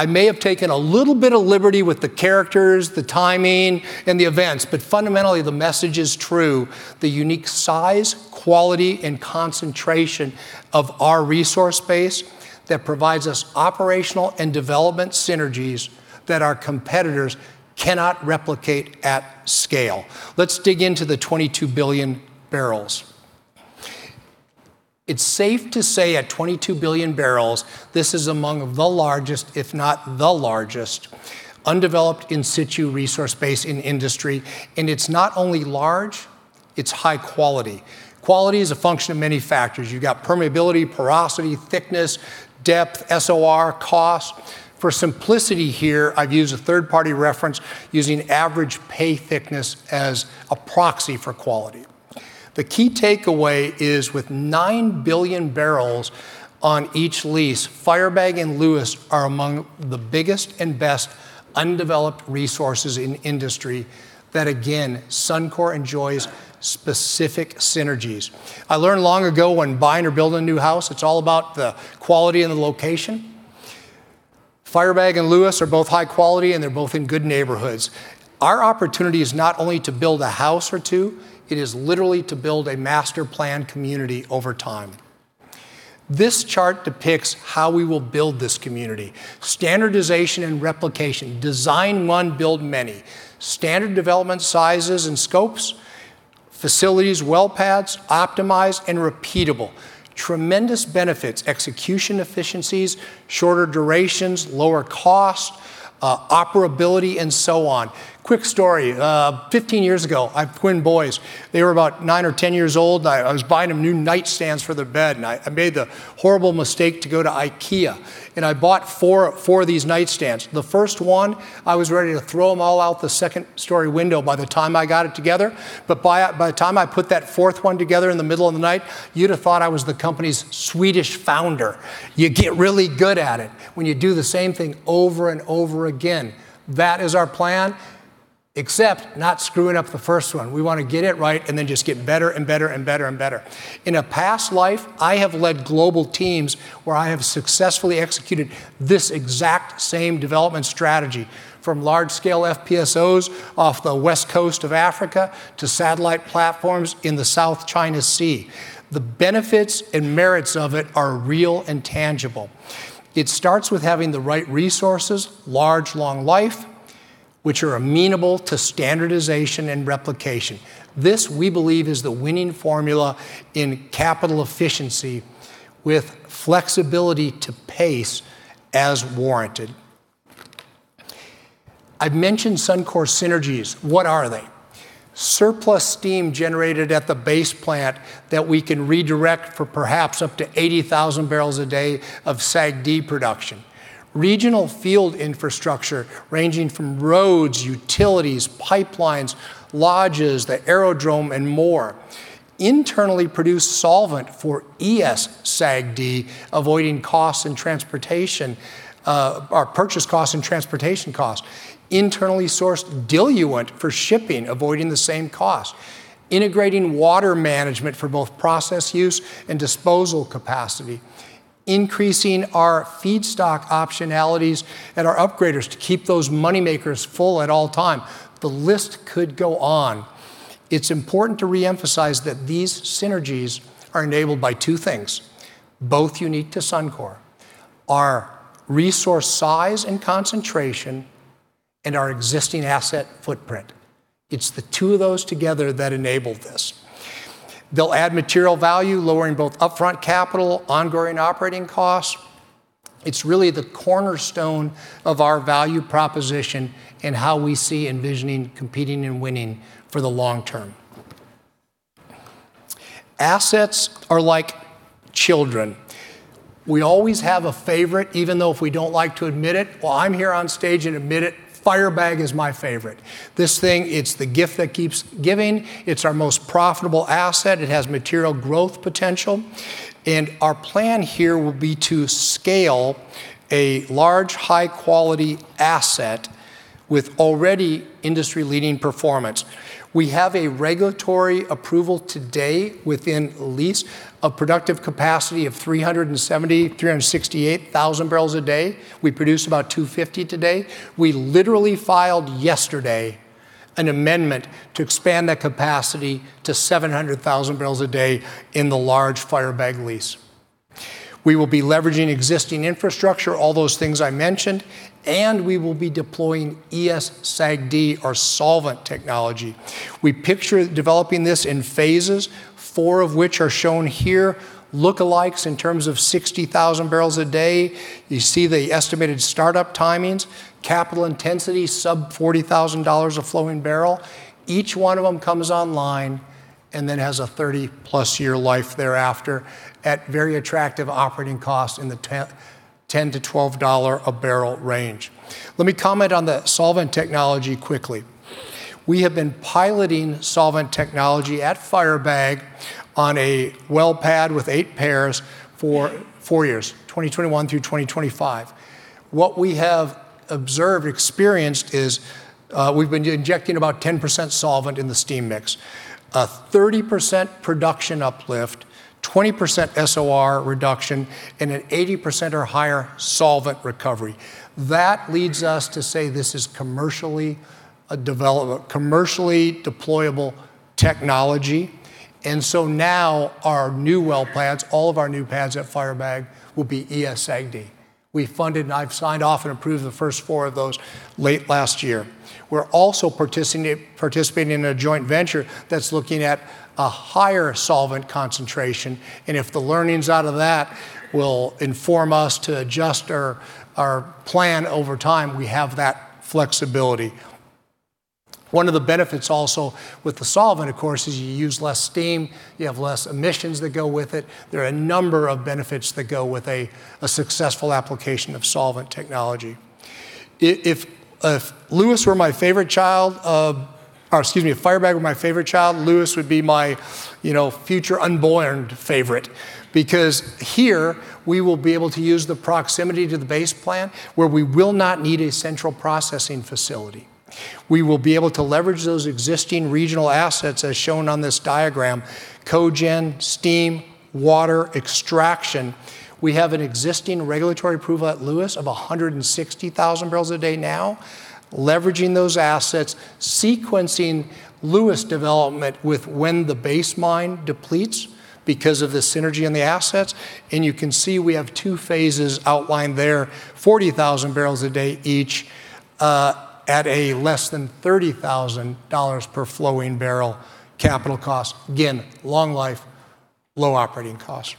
I may have taken a little bit of liberty with the characters, the timing, and the events, but fundamentally, the message is true. The unique size, quality, and concentration of our resource base. That provides us operational and development synergies that our competitors cannot replicate at scale. Let's dig into the 22 billion barrels. It's safe to say at 22 billion barrels, this is among the largest, if not the largest undeveloped in situ resource base in industry. It's not only large, it's high quality. Quality is a function of many factors. You've got permeability, porosity, thickness, depth, SOR, cost. For simplicity here, I've used a third-party reference using average pay thickness as a proxy for quality. The key takeaway is with 9 billion barrels on each lease, Firebag and Lewis are among the biggest and best undeveloped resources in industry that again, Suncor enjoys specific synergies. I learned long ago when buying or building a new house, it's all about the quality and the location. Firebag and Lewis are both high quality and they're both in good neighborhoods. Our opportunity is not only to build a house or two, it is literally to build a master planned community over time. This chart depicts how we will build this community. Standardization and replication, design one, build many. Standard development sizes and scopes, facilities, well pads, optimized and repeatable. Tremendous benefits, execution efficiencies, shorter durations, lower cost, operability, and so on. Quick story. Fifteen years ago, I have twin boys. They were about 9 or 10 years old, and I was buying them new nightstands for their bed, and I made the horrible mistake to go to IKEA, and I bought 4 of these nightstands. The first one, I was ready to throw them all out the second story window by the time I got it together. By the time I put that fourth one together in the middle of the night, you'd have thought I was the company's Swedish founder. You get really good at it when you do the same thing over and over again. That is our plan, except not screwing up the first one. We wanna get it right and then just get better and better and better and better. In a past life, I have led global teams where I have successfully executed this exact same development strategy, from large-scale FPSOs off the west coast of Africa to satellite platforms in the South China Sea. The benefits and merits of it are real and tangible. It starts with having the right resources, large, long life, which are amenable to standardization and replication. This, we believe, is the winning formula in capital efficiency with flexibility to pace as warranted. I've mentioned Suncor synergies. What are they? Surplus steam generated at the base plant that we can redirect for perhaps up to 80,000 barrels a day of SAGD production. Regional field infrastructure ranging from roads, utilities, pipelines, lodges, the aerodrome, and more. Internally produced solvent for ES-SAGD, avoiding costs in transportation, or purchase costs and transportation costs. Internally sourced diluent for shipping, avoiding the same cost. Integrating water management for both process use and disposal capacity. Increasing our feedstock optionalities at our upgraders to keep those moneymakers full at all time. The list could go on. It's important to re-emphasize that these synergies are enabled by two things, both unique to Suncor, our resource size and concentration and our existing asset footprint. It's the two of those together that enable this. They'll add material value, lowering both upfront capital, ongoing operating costs. It's really the cornerstone of our value proposition and how we see envisioning, competing, and winning for the long term. Assets are like children. We always have a favorite, even though if we don't like to admit it. Well, I'm here on stage and admit it, Firebag is my favorite. This thing, it's the gift that keeps giving. It's our most profitable asset. It has material growth potential. Our plan here will be to scale a large, high quality asset with already industry-leading performance. We have a regulatory approval today within lease, a productive capacity of 368,000 barrels a day. We produce about 250 today. We literally filed yesterday an amendment to expand that capacity to 700,000 barrels a day in the large Firebag lease. We will be leveraging existing infrastructure, all those things I mentioned, and we will be deploying ES-SAGD, our solvent technology. We picture developing this in phases, four of which are shown here, lookalikes in terms of 60,000 barrels a day. You see the estimated startup timings, capital intensity, sub $40,000 a flowing barrel. Each one of them comes online and then has a 30+ year life thereafter at very attractive operating costs in the $10-$12 a barrel range. Let me comment on the solvent technology quickly. We have been piloting solvent technology at Firebag on a well pad with eight pairs for four years, 2021 through 2025. What we have observed and experienced is, we've been injecting about 10% solvent in the steam mix, a 30% production uplift, 20% SOR reduction, and an 80% or higher solvent recovery. That leads us to say this is commercially deployable technology. Our new well pads, all of our new pads at Firebag will be ES-SAGD. We funded and I've signed off and approved the first four of those late last year. We're also participating in a joint venture that's looking at a higher solvent concentration. If the learnings out of that will inform us to adjust our plan over time, we have that flexibility. One of the benefits also with the solvent, of course, is you use less steam, you have less emissions that go with it. There are a number of benefits that go with a successful application of solvent technology. If Lewis were my favorite child, or excuse me, if Firebag were my favorite child, Lewis would be my, you know, future unborn favorite because here we will be able to use the proximity to the base plant where we will not need a central processing facility. We will be able to leverage those existing regional assets as shown on this diagram, cogen, steam, water, extraction. We have an existing regulatory approval at Lewis of 160,000 barrels a day now, leveraging those assets, sequencing Lewis development with when the base mine depletes because of the synergy in the assets. You can see we have 2 phases outlined there, 40,000 barrels a day each, at a less than 30,000 dollars per flowing barrel capital cost. Again, long life, low operating cost.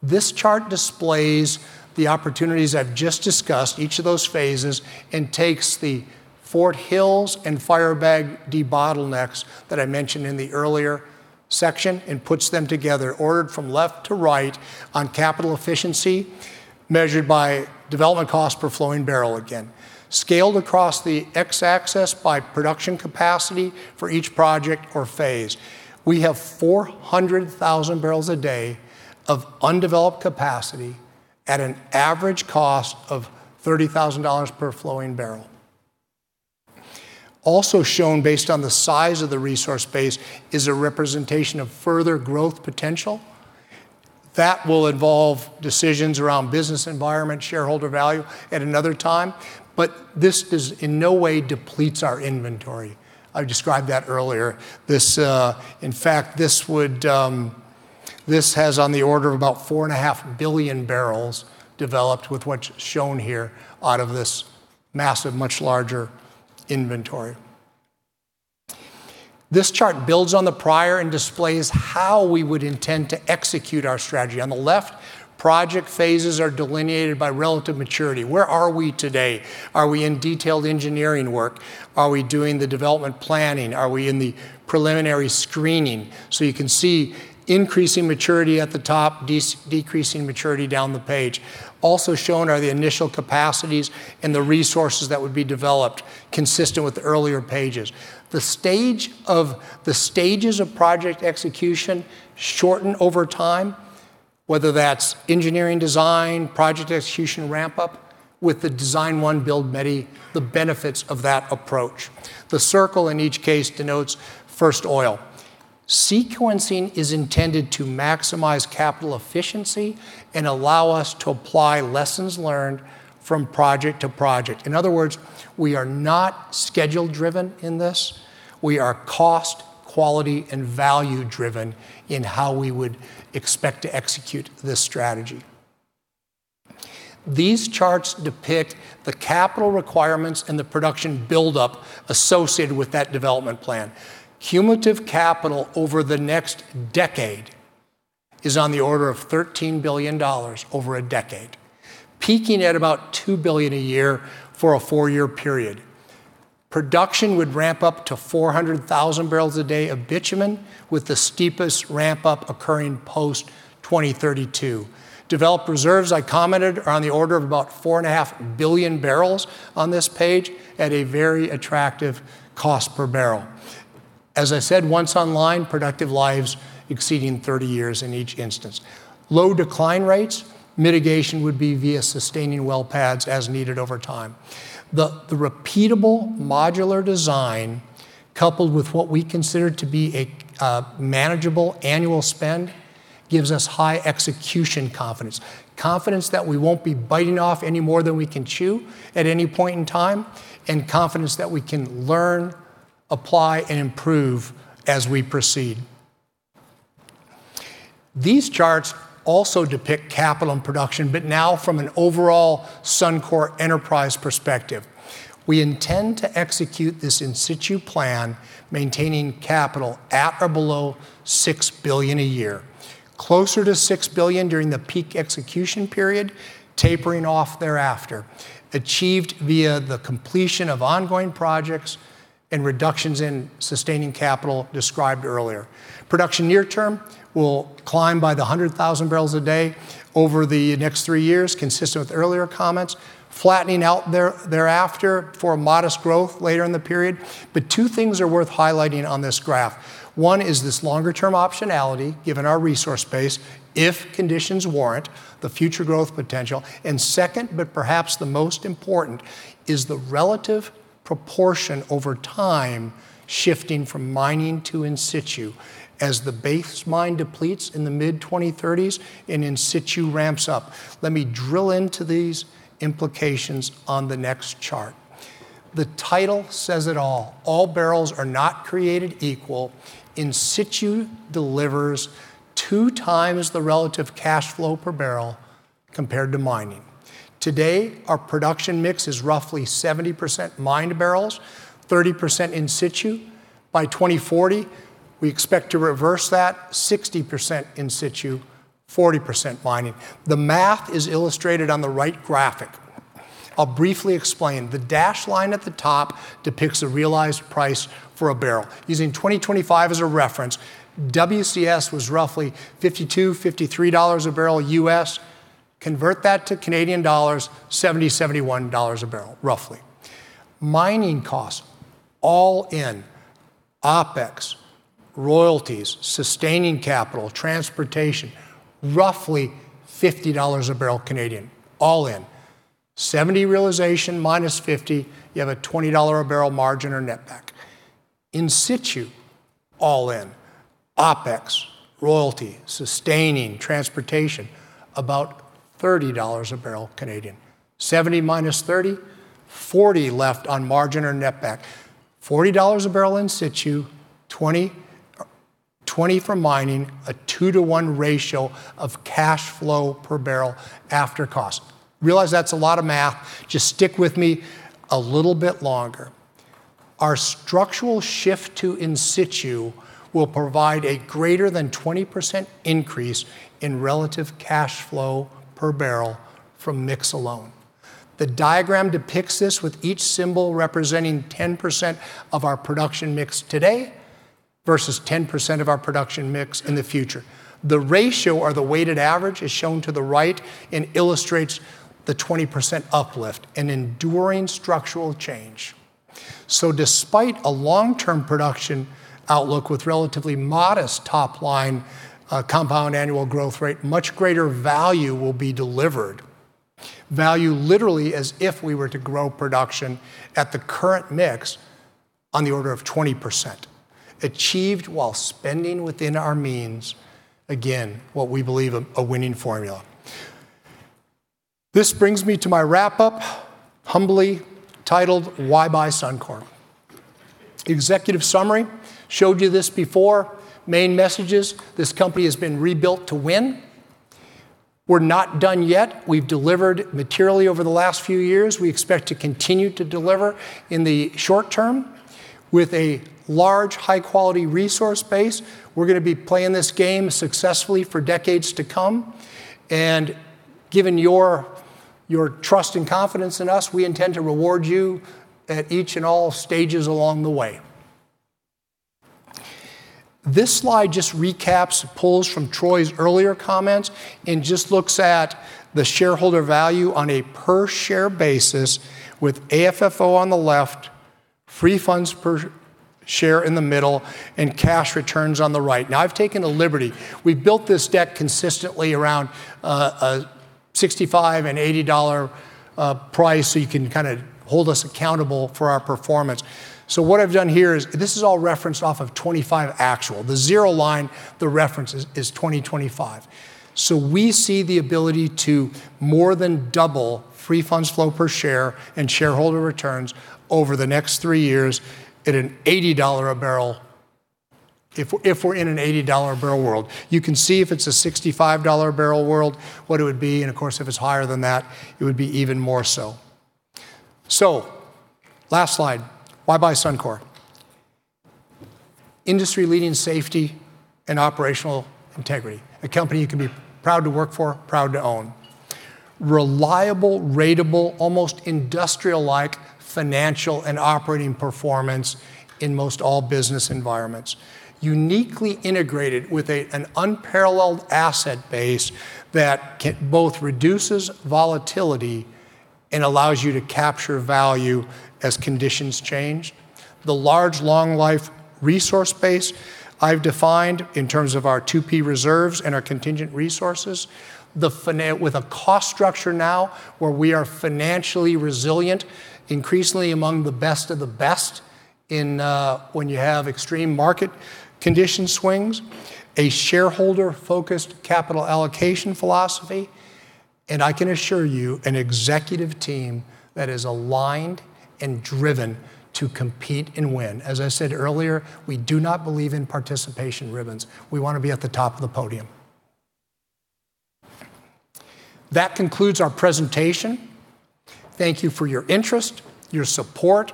This chart displays the opportunities I've just discussed, each of those phases, and takes the Fort Hills and Firebag debottlenecks that I mentioned in the earlier section and puts them together ordered from left to right on capital efficiency measured by development cost per flowing barrel again, scaled across the X-axis by production capacity for each project or phase. We have 400,000 barrels a day of undeveloped capacity at an average cost of 30,000 dollars per flowing barrel. Also shown based on the size of the resource base is a representation of further growth potential. That will involve decisions around business environment, shareholder value at another time, but this in no way depletes our inventory. I described that earlier. This has on the order of about 4.5 billion barrels developed with what's shown here out of this massive, much larger inventory. This chart builds on the prior and displays how we would intend to execute our strategy. On the left, project phases are delineated by relative maturity. Where are we today? Are we in detailed engineering work? Are we doing the development planning? Are we in the preliminary screening? You can see increasing maturity at the top, decreasing maturity down the page. Also shown are the initial capacities and the resources that would be developed consistent with earlier pages. The stages of project execution shorten over time, whether that's engineering design, project execution ramp up with the design one build many, the benefits of that approach. The circle in each case denotes first oil. Sequencing is intended to maximize capital efficiency and allow us to apply lessons learned from project to project. In other words, we are not schedule driven in this. We are cost, quality, and value driven in how we would expect to execute this strategy. These charts depict the capital requirements and the production buildup associated with that development plan. Cumulative capital over the next decade is on the order of 13 billion dollars over a decade, peaking at about 2 billion a year for a four-year period. Production would ramp up to 400,000 barrels a day of bitumen with the steepest ramp up occurring post 2032. Developed reserves, I commented, are on the order of about 4.5 billion barrels on this page at a very attractive cost per barrel. As I said, once online, productive lives exceeding 30 years in each instance. Low decline rates, mitigation would be via sustaining well pads as needed over time. The repeatable modular design coupled with what we consider to be a manageable annual spend gives us high execution confidence. Confidence that we won't be biting off any more than we can chew at any point in time, and confidence that we can learn, apply, and improve as we proceed. These charts also depict capital and production, but now from an overall Suncor enterprise perspective. We intend to execute this in situ plan maintaining capital at or below 6 billion a year, closer to 6 billion during the peak execution period, tapering off thereafter, achieved via the completion of ongoing projects and reductions in sustaining capital described earlier. Production near term will climb by 100,000 barrels a day over the next three years, consistent with earlier comments, flattening out thereafter for modest growth later in the period. Two things are worth highlighting on this graph. One is this longer-term optionality, given our resource base, if conditions warrant the future growth potential. Second, but perhaps the most important, is the relative proportion over time shifting from mining to in situ as the base mine depletes in the mid-2030s and in situ ramps up. Let me drill into these implications on the next chart. The title says it all. All barrels are not created equal. In situ delivers 2x the relative cash flow per barrel compared to mining. Today, our production mix is roughly 70% mined barrels, 30% in situ. By 2040, we expect to reverse that 60% in situ, 40% mining. The math is illustrated on the right graphic. I'll briefly explain. The dashed line at the top depicts the realized price for a barrel. Using 2025 as a reference, WCS was roughly $52-$53 a barrel US. Convert that to Canadian dollars, 70-71 dollars a barrel, roughly. Mining costs, all in, OpEx, royalties, sustaining capital, transportation, roughly 50 dollars a barrel Canadian, all in. 70 realization minus 50, you have a 20 dollar a barrel margin or netback. In situ, all in, OpEx, royalty, sustaining, transportation, about 30 dollars a barrel Canadian. 70 minus 30, 40 left on margin or netback. 40 dollars a barrel in situ, 20 for mining, a 2-to-1 ratio of cash flow per barrel after cost. Realize that's a lot of math. Just stick with me a little bit longer. Our structural shift to in situ will provide a greater than 20% increase in relative cash flow per barrel from mix alone. The diagram depicts this, with each symbol representing 10% of our production mix today versus 10% of our production mix in the future. The ratio or the weighted average is shown to the right and illustrates the 20% uplift, an enduring structural change. Despite a long-term production outlook with relatively modest top line, compound annual growth rate, much greater value will be delivered, value literally as if we were to grow production at the current mix on the order of 20%, achieved while spending within our means. Again, what we believe a winning formula. This brings me to my wrap-up, humbly titled Why Buy Suncor? Executive summary. Showed you this before. Main messages, this company has been rebuilt to win. We're not done yet. We've delivered materially over the last few years. We expect to continue to deliver in the short term. With a large, high-quality resource base, we're gonna be playing this game successfully for decades to come. Given your trust and confidence in us, we intend to reward you at each and all stages along the way. This slide just recaps, pulls from Troy's earlier comments and just looks at the shareholder value on a per share basis with AFFO on the left, free funds per share in the middle, and cash returns on the right. Now, I've taken a liberty. We've built this deck consistently around a $65-$80 price, so you can kind of hold us accountable for our performance. What I've done here is... This is all referenced off of 25 actual. The zero line, the reference is 2025. We see the ability to more than double free funds flow per share and shareholder returns over the next 3 years at an $80 a barrel if we're in an $80 a barrel world. You can see if it's a $65 a barrel world, what it would be, and of course, if it's higher than that, it would be even more so. Last slide. Why buy Suncor? Industry-leading safety and operational integrity. A company you can be proud to work for, proud to own. Reliable, ratable, almost industrial-like financial and operating performance in most all business environments. Uniquely integrated with an unparalleled asset base that both reduces volatility and allows you to capture value as conditions change. The large, long life resource base I've defined in terms of our 2P reserves and our contingent resources. With a cost structure now where we are financially resilient, increasingly among the best of the best in when you have extreme market condition swings, a shareholder-focused capital allocation philosophy, and I can assure you an executive team that is aligned and driven to compete and win. As I said earlier, we do not believe in participation ribbons. We wanna be at the top of the podium. That concludes our presentation. Thank you for your interest, your support,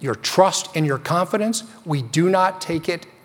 your trust, and your confidence. We do not take it for gra-